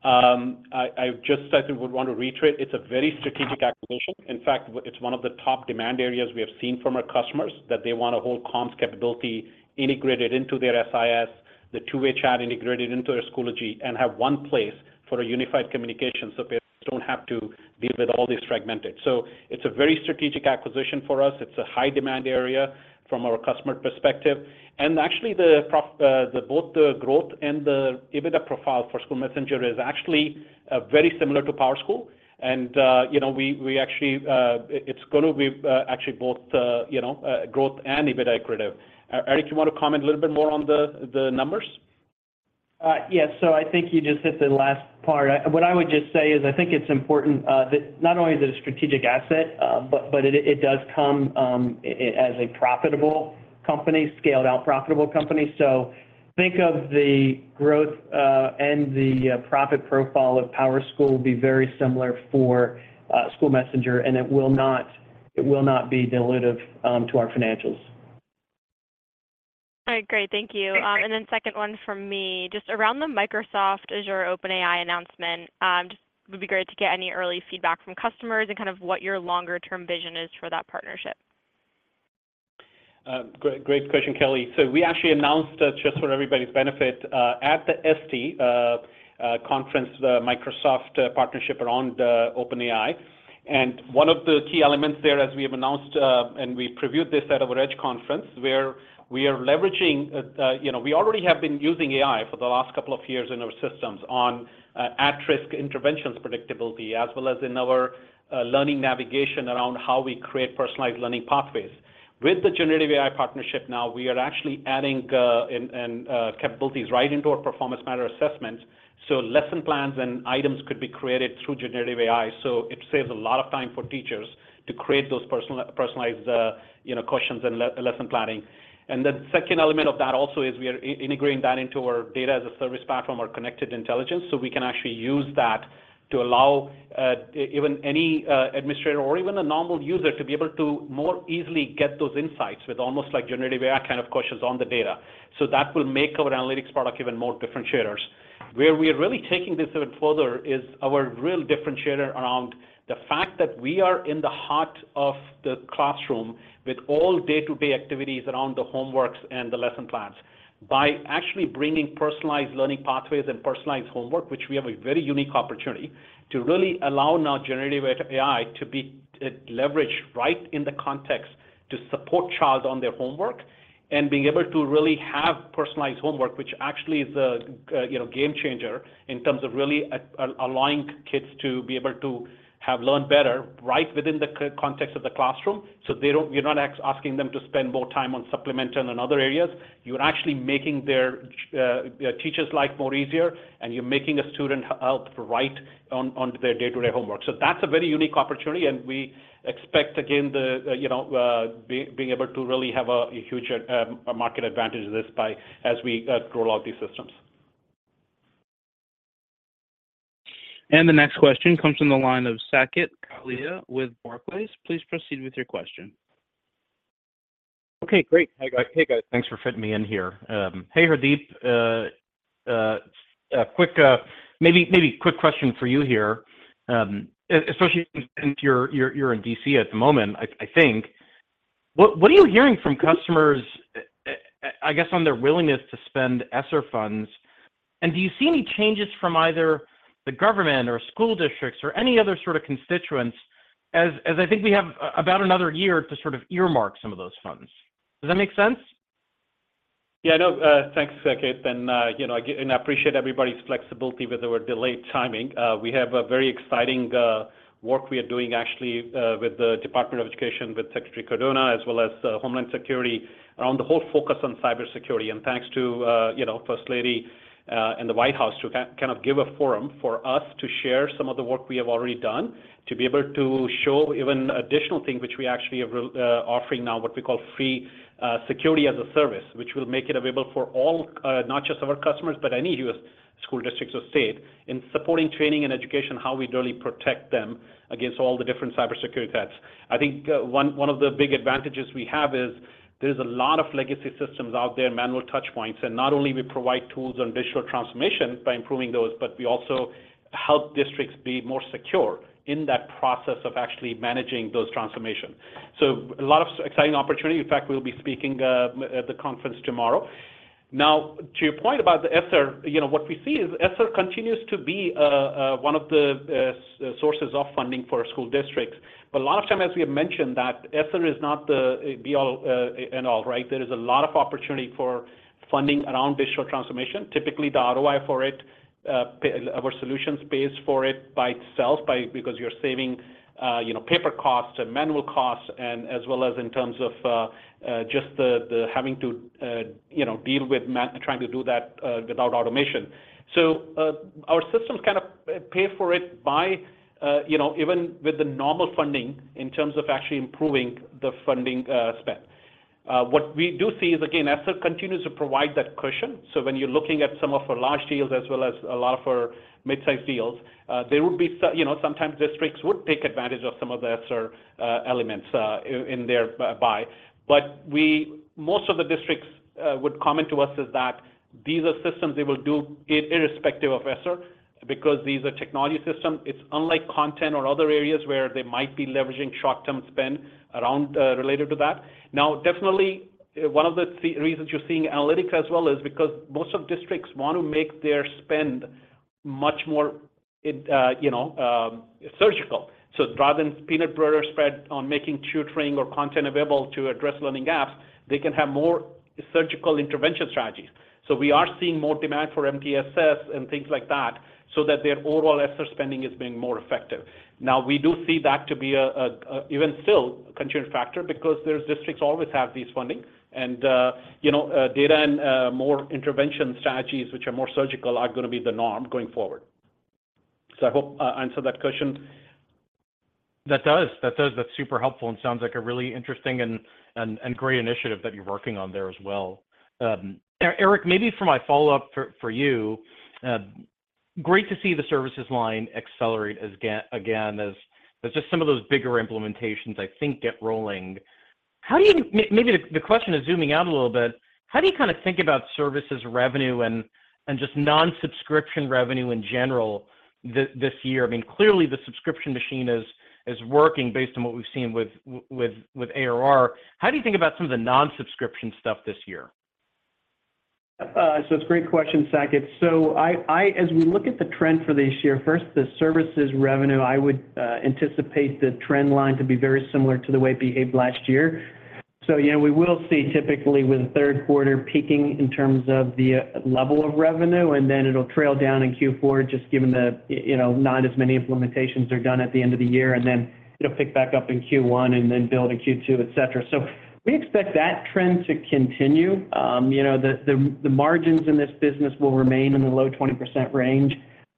I, I just certainly would want to reiterate, it's a very strategic acquisition. In fact, it's one of the top demand areas we have seen from our customers, that they want a whole comms capability integrated into their SIS, the two-way chat integrated into their Schoology, and have one place for a unified communication, so parents don't have to deal with all these fragmented. It's a very strategic acquisition for us. It's a high demand area from our customer perspective. Actually, the both the growth and the EBITDA profile for SchoolMessenger is actually very similar to PowerSchool. You know, we, we actually, it's gonna be, actually both, you know, growth and EBITDA accretive. Eric, you want to comment a little bit more on the, the numbers? Yes. I think you just hit the last part. What I would just say is, I think it's important that not only is it a strategic asset, it does come as a profitable company, scaled out profitable company. Think of the growth and the profit profile of PowerSchool will be very similar for SchoolMessenger, and it will not, it will not be dilutive to our financials. All right, great. Thank you. Great. Then second one from me, just around the Microsoft Azure OpenAI announcement, just would be great to get any early feedback from customers and kind of what your longer term vision is for that partnership? Great, great question, Callie. We actually announced, just for everybody's benefit, at the ISTE conference, the Microsoft partnership around the OpenAI. One of the key elements there, as we have announced, and we previewed this at our EDGE conference, where we are leveraging, you know, we already have been using AI for the last couple of years in our systems on at-risk interventions predictability, as well as in our learning navigation around how we create personalized learning pathways. With the generative AI partnership now, we are actually adding, and, and capabilities right into our Performance Matters assessments, so lesson plans and items could be created through generative AI. It saves a lot of time for teachers to create those personalized, you know, questions and lesson planning. The second element of that also is we are integrating that into our Data as a Service platform, our Connected Intelligence, so we can actually use that to allow even any administrator or even a normal user to be able to more easily get those insights with almost like Generative AI kind of questions on the data. That will make our analytics product even more differentiators. Where we are really taking this even further is our real differentiator around the fact that we are in the heart of the classroom with all day-to-day activities around the homeworks and the lesson plans. By actually bringing personalized learning pathways and personalized homework, which we have a very unique opportunity to really allow now generative AI to be leveraged right in the context to support child on their homework and being able to really have personalized homework, which actually is a, you know, game changer in terms of really allowing kids to be able to have learn better right within the context of the classroom. They don't-- you're not asking them to spend more time on supplemental and other areas. You're actually making their teachers' life more easier and you're making a student help right on their day-to-day homework. That's a very unique opportunity and we expect, again, the, you know, being able to really have a huge market advantage of this by as we roll out these systems. The next question comes from the line of Saket Kalia with Barclays. Please proceed with your question. Okay, great. Hey, guys. Hey, guys, thanks for fitting me in here. Hey, Hardeep, a quick, maybe, maybe a quick question for you here. Especially since you're, you're, you're in D.C. at the moment, I, I think. What, what are you hearing from customers, I guess, on their willingness to spend ESSER funds? Do you see any changes from either the government or school districts or any other sort of constituents, as, as I think we have about another year to sort of earmark some of those funds? Does that make sense? Yeah, I know. Thanks, Saket, and, you know, I appreciate everybody's flexibility with our delayed timing. We have a very exciting work we are doing actually with the Department of Education, with Secretary Cardona, as well as Homeland Security, around the whole focus on cybersecurity. Thanks to, you know, First Lady and the White House to kind of give a forum for us to share some of the work we have already done, to be able to show even additional things, which we actually are offering now, what we call free Security as a Service. Which will make it available for all, not just our customers, but any U.S. school districts or state, in supporting training and education, how we really protect them against all the different cybersecurity threats. I think, one, one of the big advantages we have is, there's a lot of legacy systems out there, manual touch points, and not only we provide tools on digital transformation by improving those, but we also help districts be more secure in that process of actually managing those transformations. A lot of exciting opportunity. In fact, we'll be speaking at the conference tomorrow. To your point about the ESSER, you know, what we see is ESSER continues to be one of the sources of funding for school districts. A lot of time, as we have mentioned, that ESSER is not the be all and all, right? There is a lot of opportunity for funding around digital transformation. Typically, the ROI for it, our solution space for it by itself, because you're saving, you know, paper costs and manual costs, and as well as in terms of, just the, the having to, you know, deal with trying to do that, without automation. Our systems kind of, pay for it by, you know, even with the normal funding, in terms of actually improving the funding, spent. What we do see is, again, ESSER continues to provide that cushion. When you're looking at some of our large deals, as well as a lot of our mid-sized deals, there would be so, you know, sometimes districts would take advantage of some of the ESSER elements, in their buy. Most of the districts would comment to us is that these are systems they will do ir-irrespective of ESSER, because these are technology systems. It's unlike content or other areas where they might be leveraging short-term spend around related to that. Definitely, one of the the reasons you're seeing analytics as well is because most of districts want to make their spend much more, you know, surgical. Rather than peanut butter spread on making tutoring or content available to address learning gaps, they can have more surgical intervention strategies. We are seeing more demand for MTSS and things like that, so that their overall ESSER spending is being more effective. We do see that to be a, a, a even still a contributing factor because those districts always have this funding. You know, data and more intervention strategies, which are more surgical, are gonna be the norm going forward. I hope I answered that question. That does. That does. That's super helpful and sounds like a really interesting and, and, and great initiative that you're working on there as well. Eric, maybe for my follow-up for, for you. Great to see the services line accelerate as again, as, as just some of those bigger implementations, I think, get rolling. Maybe the question is zooming out a little bit. How do you kind of think about services revenue and, and just non-subscription revenue in general this year? I mean, clearly, the subscription machine is, is working based on what we've seen with, with, with ARR. How do you think about some of the non-subscription stuff this year? It's a great question, Saket. As we look at the trend for this year, first, the services revenue, I would anticipate the trend line to be very similar to the way it behaved last year. You know, we will see typically with the third quarter peaking in terms of the level of revenue, and then it'll trail down in Q4, just given the, you know, not as many implementations are done at the end of the year, and then it'll pick back up in Q1, and then build in Q2, et cetera. We expect that trend to continue. You know, the margins in this business will remain in the low 20% range.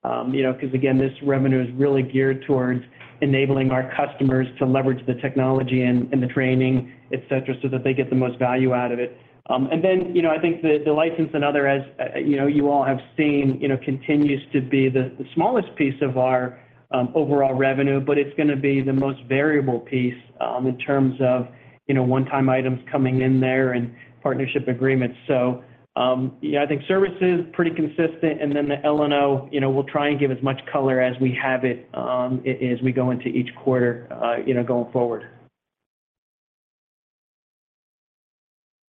You know, because, again, this revenue is really geared towards enabling our customers to leverage the technology and, and the training, et cetera, so that they get the most value out of it. Then, you know, I think the, the license and other as, you know, you all have seen, you know, continues to be the, the smallest piece of our overall revenue, but it's gonna be the most variable piece in terms of, you know, one-time items coming in there and partnership agreements. Yeah, I think service is pretty consistent, and then the L&O, you know, we'll try and give as much color as we have it as we go into each quarter, you know, going forward.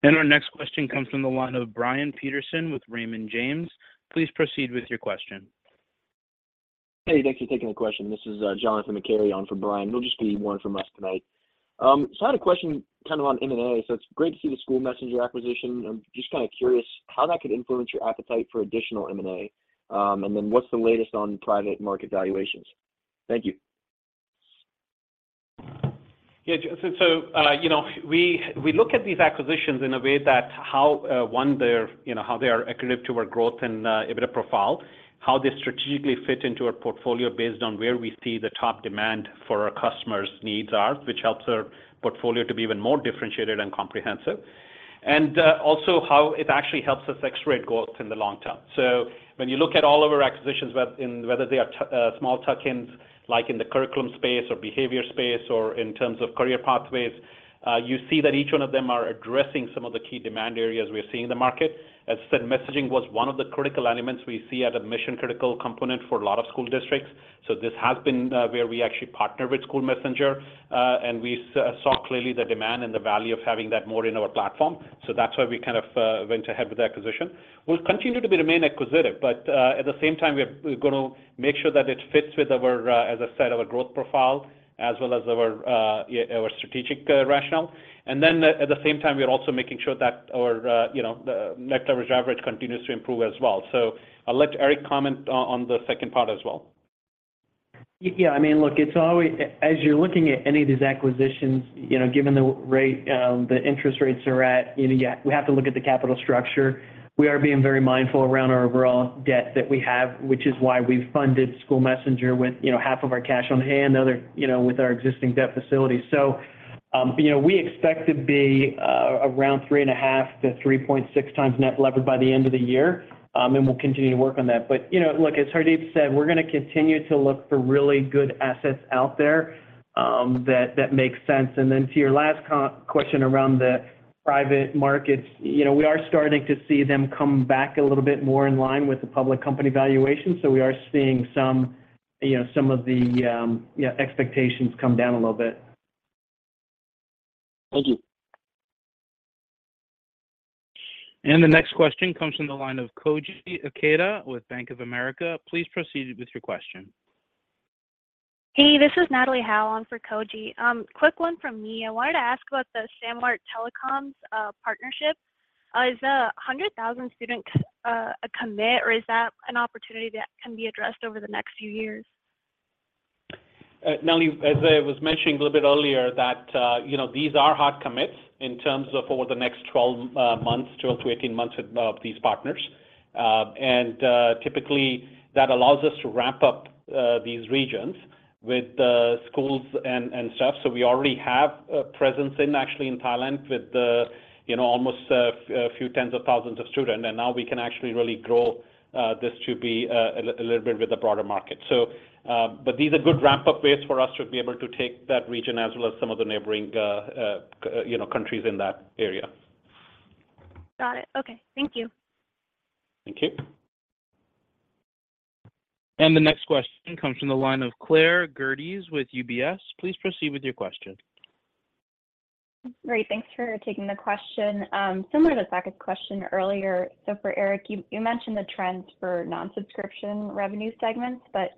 Our next question comes from the line of Brian Peterson with Raymond James. Please proceed with your question. Hey, thanks for taking the question. This is Jonathan McCary on for Brian. It'll just be one from us tonight. I had a question kind of on M&A. It's great to see the SchoolMessenger acquisition. I'm just kind of curious how that could influence your appetite for additional M&A, what's the latest on private market valuations? Thank you. Yeah, so, so, you know, we, we look at these acquisitions in a way that how, one, they're, you know, how they are accretive to our growth and EBITDA profile, how they strategically fit into our portfolio based on where we see the top demand for our customers' needs are, which helps our portfolio to be even more differentiated and comprehensive. Also how it actually helps us accelerate growth in the long term. So when you look at all of our acquisitions, whether in, whether they are small tuck-ins, like in the curriculum space or behavior space or in terms of career pathways, you see that each one of them are addressing some of the key demand areas we are seeing in the market. As said, messaging was one of the critical elements we see as a mission-critical component for a lot of school districts. This has been where we actually partner with SchoolMessenger. We saw clearly the demand and the value of having that more in our platform. That's why we kind of went ahead with the acquisition. We'll continue to be remain acquisitive, but at the same time, we're, we're gonna make sure that it fits with our, as I said, our growth profile, as well as our, yeah, our strategic rationale. At, at the same time, we are also making sure that our, you know, the net coverage average continues to improve as well. I'll let Eric comment on, on the second part as well. Yeah, I mean, look, it's always as you're looking at any of these acquisitions, you know, given the rate the interest rates are at, you know, yeah, we have to look at the capital structure. We are being very mindful around our overall debt that we have, which is why we've funded SchoolMessenger with, you know, half of our cash on hand, the other, you know, with our existing debt facility. You know, we expect to be around 3.5x-3.6x net levered by the end of the year, and we'll continue to work on that. You know, look, as Hardeep said, we're gonna continue to look for really good assets out there that, that makes sense. Then to your last question around the private markets, you know, we are starting to see them come back a little bit more in line with the public company valuation. We are seeing some, you know, some of the expectations come down a little bit. Thank you. The next question comes from the line of Koji Ikeda with Bank of America. Please proceed with your question. Hey, this is Natalie Howe on for Koji. Quick one from me. I wanted to ask about the Samart Telcoms partnership. Is the 100,000 student commit, or is that an opportunity that can be addressed over the next few years? Natalie, as I was mentioning a little bit earlier, that, you know, these are hard commits in terms of over the next 12 months, 12-18 months of these partners. Typically, that allows us to wrap up these regions with the schools and, and stuff. We already have a presence in, actually in Thailand with the, you know, almost a, a few tens of thousands of students. Now we can actually really grow this to be a little bit with the broader market. These are good ramp-up ways for us to be able to take that region as well as some of the neighboring, you know, countries in that area. Got it. Okay. Thank you. Thank you. The next question comes from the line of Claire Gerdes with UBS. Please proceed with your question. Great. Thanks for taking the question. Similar to Saket's question earlier, so for Eric, you, you mentioned the trends for non-subscription revenue segments, but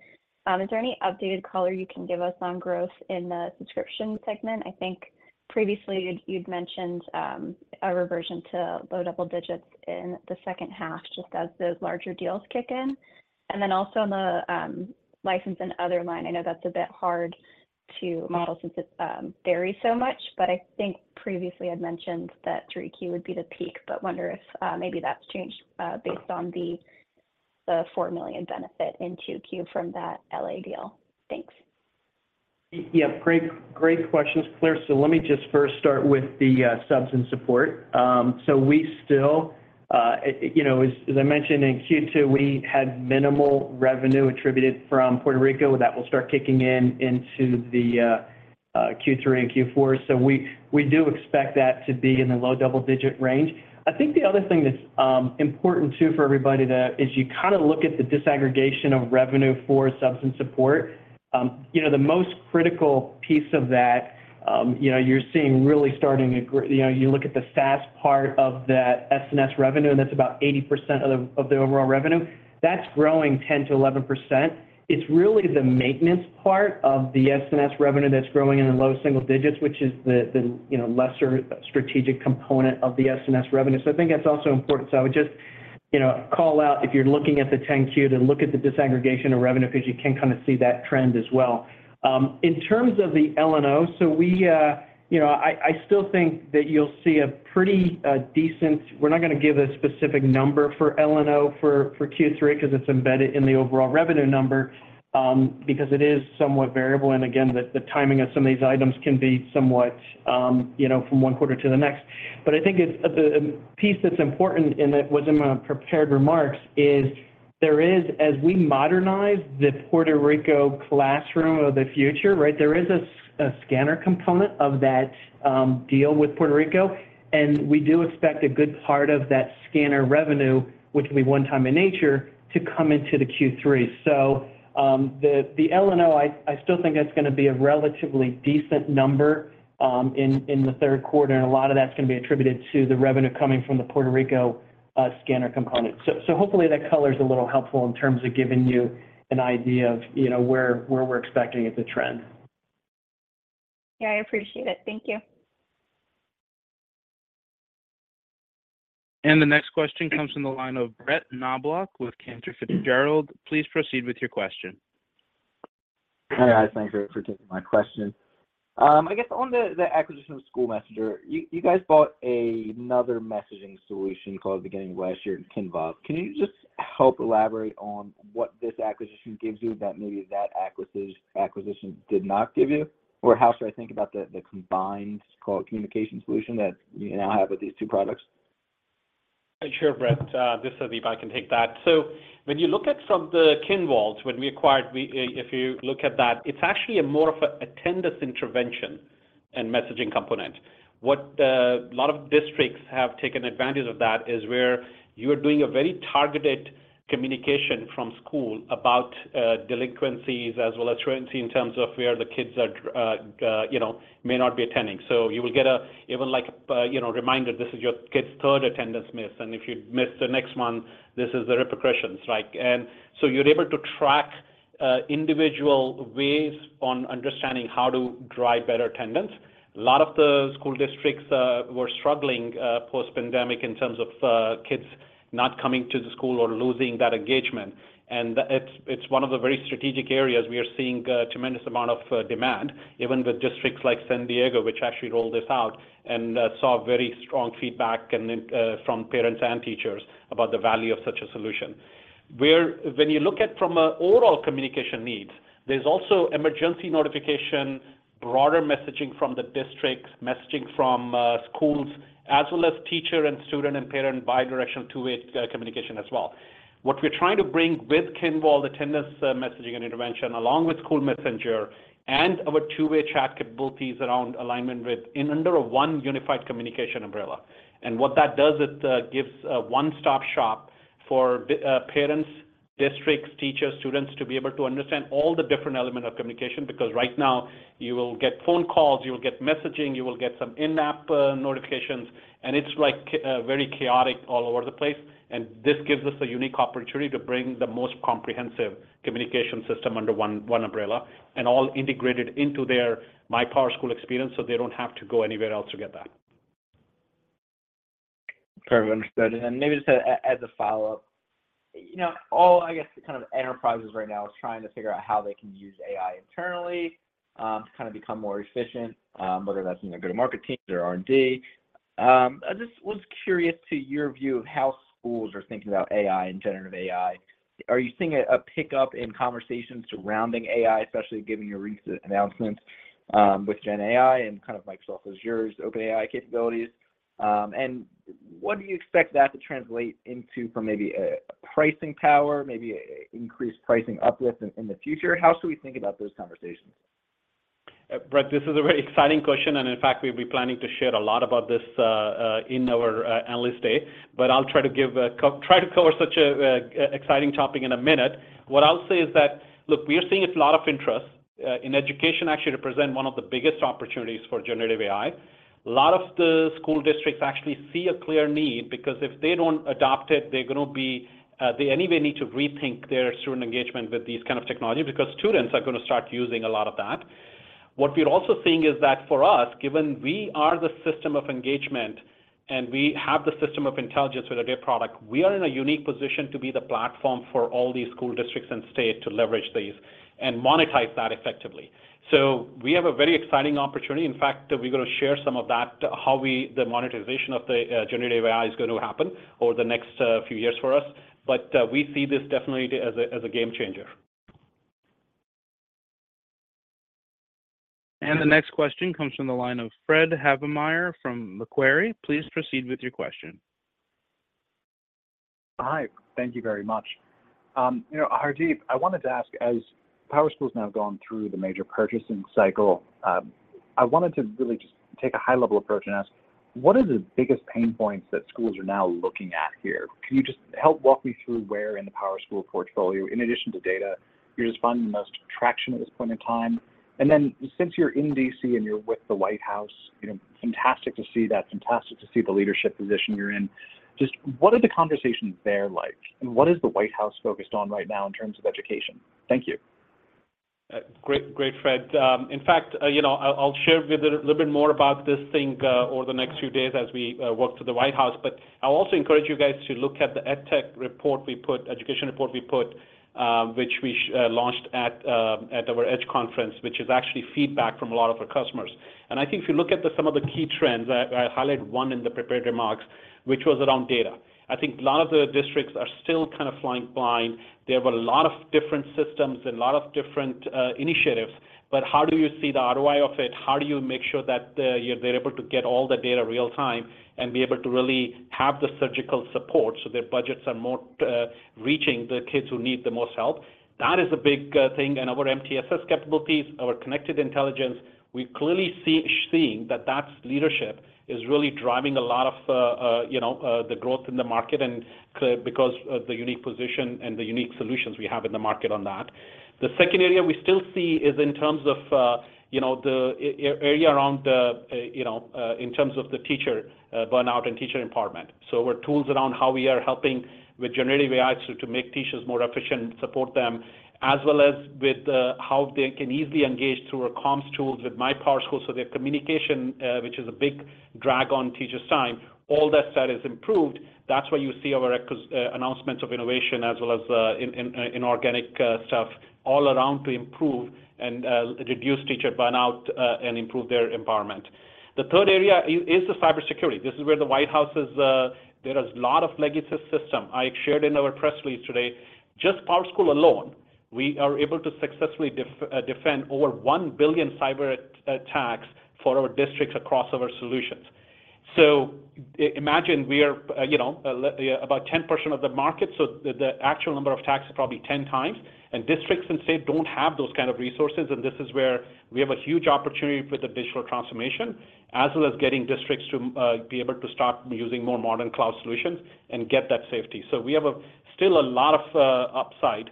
is there any updated color you can give us on growth in the subscription segment? I think previously you'd, you'd mentioned a reversion to low double digits in the second half, just as the larger deals kick in. Then also on the license and other line, I know that's a bit hard to model since it varies so much, but I think previously I'd mentioned that 3Q would be the peak, but wonder if maybe that's changed based on the $4 million benefit in 2Q from that L.A. deal. Thanks. Yeah, great, great questions, Claire. Let me just first start with the subs and support. We still, as I mentioned in Q2, we had minimal revenue attributed from Puerto Rico. That will start kicking in into the Q3 and Q4. We do expect that to be in the low double-digit range. I think the other thing that's important, too, for everybody to is you kinda look at the disaggregation of revenue for subs and support. The most critical piece of that, you're seeing really starting to grow, you look at the SaaS part of that SNS revenue, and that's about 80% of the overall revenue. That's growing 10%-11%. It's really the maintenance part of the SNS revenue that's growing in the low single digits, which is the, the, you know, lesser strategic component of the SNS revenue. I think that's also important. I would just, you know, call out if you're looking at the 10-K, then look at the disaggregation of revenue because you can kinda see that trend as well. In terms of the L&O, we, you know, I, I still think that you'll see a pretty decent we're not gonna give a specific number for L&O for, for Q3 because it's embedded in the overall revenue number, because it is somewhat variable, and again, the, the timing of some of these items can be somewhat, you know, from one quarter to the next. I think it's the piece that's important, and it was in my prepared remarks, is there is, as we modernize the Puerto Rico classroom of the future, right, there is a scanner component of that deal with Puerto Rico, and we do expect a good part of that scanner revenue, which will be one time in nature, to come into the Q3. The L&O, I, I still think that's gonna be a relatively decent number in the third quarter, and a lot of that's gonna be attributed to the revenue coming from the Puerto Rico scanner component. Hopefully that color is a little helpful in terms of giving you an idea of, you know, where, where we're expecting it to trend. Yeah, I appreciate it. Thank you. The next question comes from the line of Brett Knoblauch with Cantor Fitzgerald. Please proceed with your question. Hi, guys. Thank you for taking my question. I guess on the, the acquisition of SchoolMessenger, you, you guys bought another messaging solution called beginning of last year, Kinvolved. Can you just help elaborate on what this acquisition gives you that maybe that acquisition did not give you? Or how should I think about the, the combined call communication solution that you now have with these two products? Sure, Brett, this is Hardeep, I can take that. When you look at some of the Kinvolved, when we acquired, we, if you look at that, it's actually more of an attendance intervention and messaging component. What a lot of districts have taken advantage of that, is where you are doing a very targeted communication from school about delinquencies, as well as truancy, in terms of where the kids are, you know, may not be attending. You will get a, even like a, you know, reminder, this is your kid's third attendance miss, and if you miss the next one, this is the repercussions, right? You're able to track individual ways on understanding how to drive better attendance. A lot of the school districts were struggling post-pandemic in terms of kids not coming to the school or losing that engagement. It's one of the very strategic areas we are seeing tremendous amount of demand, even with districts like San Diego, which actually rolled this out and saw very strong feedback and then from parents and teachers about the value of such a solution. When you look at from a oral communication needs, there's also emergency notification, broader messaging from the district, messaging from schools, as well as teacher, and student, and parent bidirectional two-way communication as well. What we're trying to bring with Kinvolved, attendance, messaging and intervention, along with SchoolMessenger and our two-way chat capabilities around alignment with in under a one unified communication umbrella. What that does, it gives a one-stop shop for parents, districts, teachers, students to be able to understand all the different element of communication. Because right now you will get phone calls, you will get messaging, you will get some in-app notifications, and it's like very chaotic all over the place, and this gives us a unique opportunity to bring the most comprehensive communication system under one, one umbrella, and all integrated into their My PowerSchool experience, so they don't have to go anywhere else to get that. Perfect. Understood. Then maybe just as a follow-up, you know, all, I guess, kind of enterprises right now is trying to figure out how they can use AI internally to kind of become more efficient, whether that's in their go-to-market teams or R&D. I just was curious to your view of how schools are thinking about AI and generative AI. Are you seeing a pickup in conversations surrounding AI, especially given your recent announcement with GenAI and kind of Microsoft Azure's OpenAI capabilities? What do you expect that to translate into for maybe a pricing power, maybe a increased pricing uplift in the future? How should we think about those conversations? Brett, this is a very exciting question, and in fact, we've been planning to share a lot about this in our analyst day. I'll try to cover such a exciting topic in a minute. What I'll say is that, look, we are seeing a lot of interest in education actually to present one of the biggest opportunities for generative AI. A lot of the school districts actually see a clear need, because if they don't adopt it, they're gonna be. They anyway need to rethink their student engagement with these kind of technology, because students are gonna start using a lot of that. What we are also seeing is that for us, given we are the system of engagement, and we have the system of intelligence with our data product, we are in a unique position to be the platform for all these school districts and state to leverage these and monetize that effectively. We have a very exciting opportunity. In fact, we're gonna share some of that, how we, the monetization of the, generative AI is gonna happen over the next, few years for us. We see this definitely as a game changer. The next question comes from the line of Fred Havemeyer from Macquarie. Please proceed with your question. Hi, thank you very much. You know, Hardeep, I wanted to ask, as PowerSchool's now gone through the major purchasing cycle, I wanted to really just take a high-level approach and ask: What are the biggest pain points that schools are now looking at here? Can you just help walk me through where in the PowerSchool portfolio, in addition to data, you're just finding the most traction at this point in time? Since you're in D.C. and you're with the White House, you know, fantastic to see that, fantastic to see the leadership position you're in, just what are the conversations there like, and what is the White House focused on right now in terms of education? Thank you. Great, great, Fred. In fact, you know, I'll, I'll share with you a little bit more about this thing over the next few days as we work through the White House. But I'll also encourage you guys to look at the EdTech report we put, education report we put, which we launched at our EDGE conference, which is actually feedback from a lot of our customers. And I think if you look at the, some of the key trends, I, I highlight one in the prepared remarks, which was around data. I think a lot of the districts are still kind of flying blind. They have a lot of different systems and a lot of different initiatives, but how do you see the ROI of it? How do you make sure that you're able to get all the data real-time, and be able to really have the surgical support, so their budgets are more reaching the kids who need the most help? That is a big thing, and our MTSS capabilities, our Connected Intelligence, we clearly seeing that that leadership is really driving a lot of, you know, the growth in the market, and because of the unique position and the unique solutions we have in the market on that. The second area we still see is in terms of, you know, the area around, you know, in terms of the teacher burnout and teacher empowerment. Our tools around how we are helping with generative AI to make teachers more efficient and support them, as well as how they can easily engage through our comms tools with MyPowerSchool, so their communication, which is a big drag on teachers' time, all that stuff is improved. That's why you see our announcements of innovation as well as in organic stuff all around to improve and reduce teacher burnout and improve their empowerment. The third area is the cybersecurity. This is where the White House is. There is a lot of legacy system. I shared in our press release today, just PowerSchool alone. We are able to successfully defend over 1 billion cyber attacks for our districts across our solutions. Imagine we are, you know, yeah, about 10% of the market, so the actual number of attacks is probably 10x, and districts and state don't have those kind of resources, and this is where we have a huge opportunity for the digital transformation, as well as getting districts to be able to start using more modern cloud solutions and get that safety. We have a still a lot of upside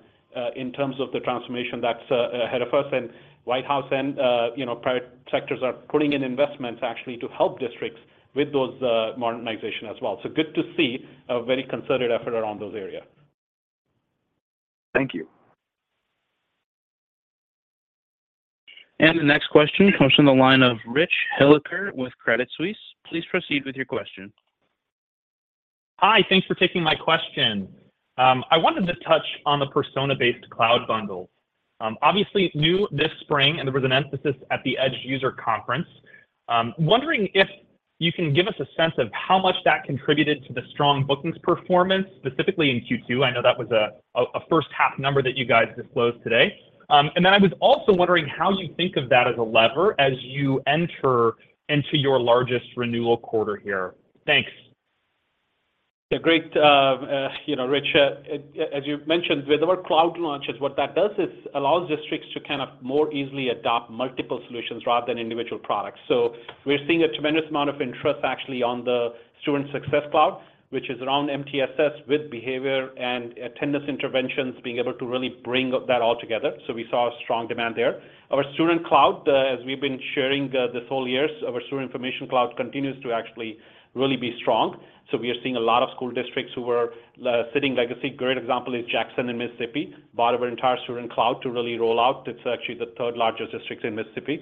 in terms of the transformation that's ahead of us, and White House and, you know, private sectors are putting in investments actually to help districts with those modernization as well. Good to see a very concerted effort around those area. Thank you. The next question comes from the line of Richard Hilliker with Credit Suisse. Please proceed with your question. Hi, thanks for taking my question. I wanted to touch on the persona-based cloud bundle. obviously, new this spring, and there was an emphasis at the EDGE User Conference. wondering if you can give us a sense of how much that contributed to the strong bookings performance, specifically in Q2. I know that was a first half number that you guys disclosed today. and then I was also wondering how you think of that as a lever, as you enter into your largest renewal quarter here. Thanks. Yeah, great. You know, Rich, as you mentioned, with our cloud launches, what that does is allows districts to kind of more easily adopt multiple solutions rather than individual products. We're seeing a tremendous amount of interest actually on the Student Success Cloud, which is around MTSS with behavior and attendance interventions, being able to really bring that all together. We saw a strong demand there. Our student cloud, as we've been sharing, this whole years, our Student Information Cloud continues to actually really be strong. We are seeing a lot of school districts who are sitting legacy. Great example is Jackson in Mississippi, bought our entire student cloud to really roll out. It's actually the third largest district in Mississippi.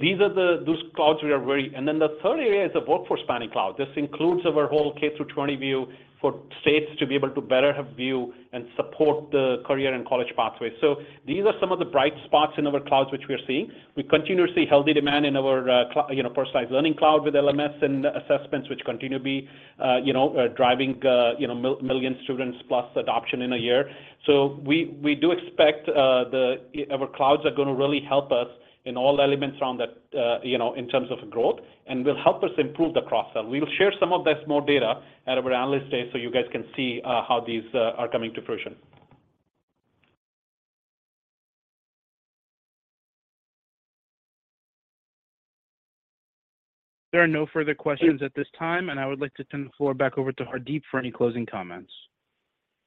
These are the. Those clouds we are very. Then the third area is the Workforce Development Cloud. This includes our whole K-20 view for states to be able to better have view and support the career and college pathway. These are some of the bright spots in our clouds, which we are seeing. We continue to see healthy demand in our, you know, Personalized Learning Cloud with LMS and assessments, which continue to be, you know, driving, you know, million students plus adoption in a year. We, we do expect, the, our clouds are gonna really help us in all elements around that, you know, in terms of growth, and will help us improve the cross-sell. We'll share some of this more data at our Analyst Day, so you guys can see, how these are coming to fruition. There are no further questions at this time, and I would like to turn the floor back over to Hardeep for any closing comments.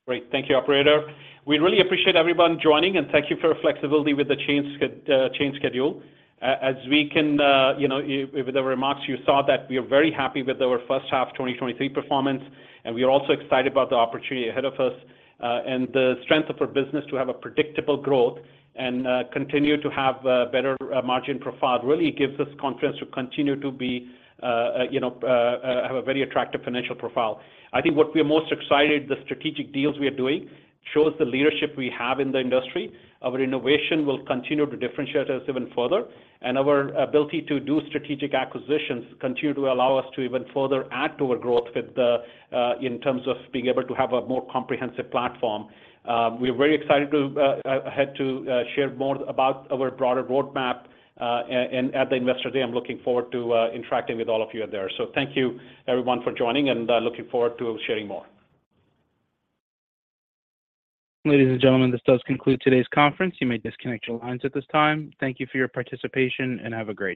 Great. Thank you, operator. We really appreciate everyone joining, and thank you for your flexibility with the change schedule. As we can, you know, with the remarks, you saw that we are very happy with our first half 2023 performance, and we are also excited about the opportunity ahead of us, and the strength of our business to have a predictable growth and continue to have better margin profile, really gives us confidence to continue to be, you know, have a very attractive financial profile. I think what we are most excited, the strategic deals we are doing, shows the leadership we have in the industry. Our innovation will continue to differentiate us even further, and our ability to do strategic acquisitions continue to allow us to even further add to our growth with the in terms of being able to have a more comprehensive platform. We're very excited to share more about our broader roadmap at the Investor Day, I'm looking forward to interacting with all of you there. Thank you everyone for joining, and looking forward to sharing more. Ladies and gentlemen, this does conclude today's conference. You may disconnect your lines at this time. Thank you for your participation, and have a great day.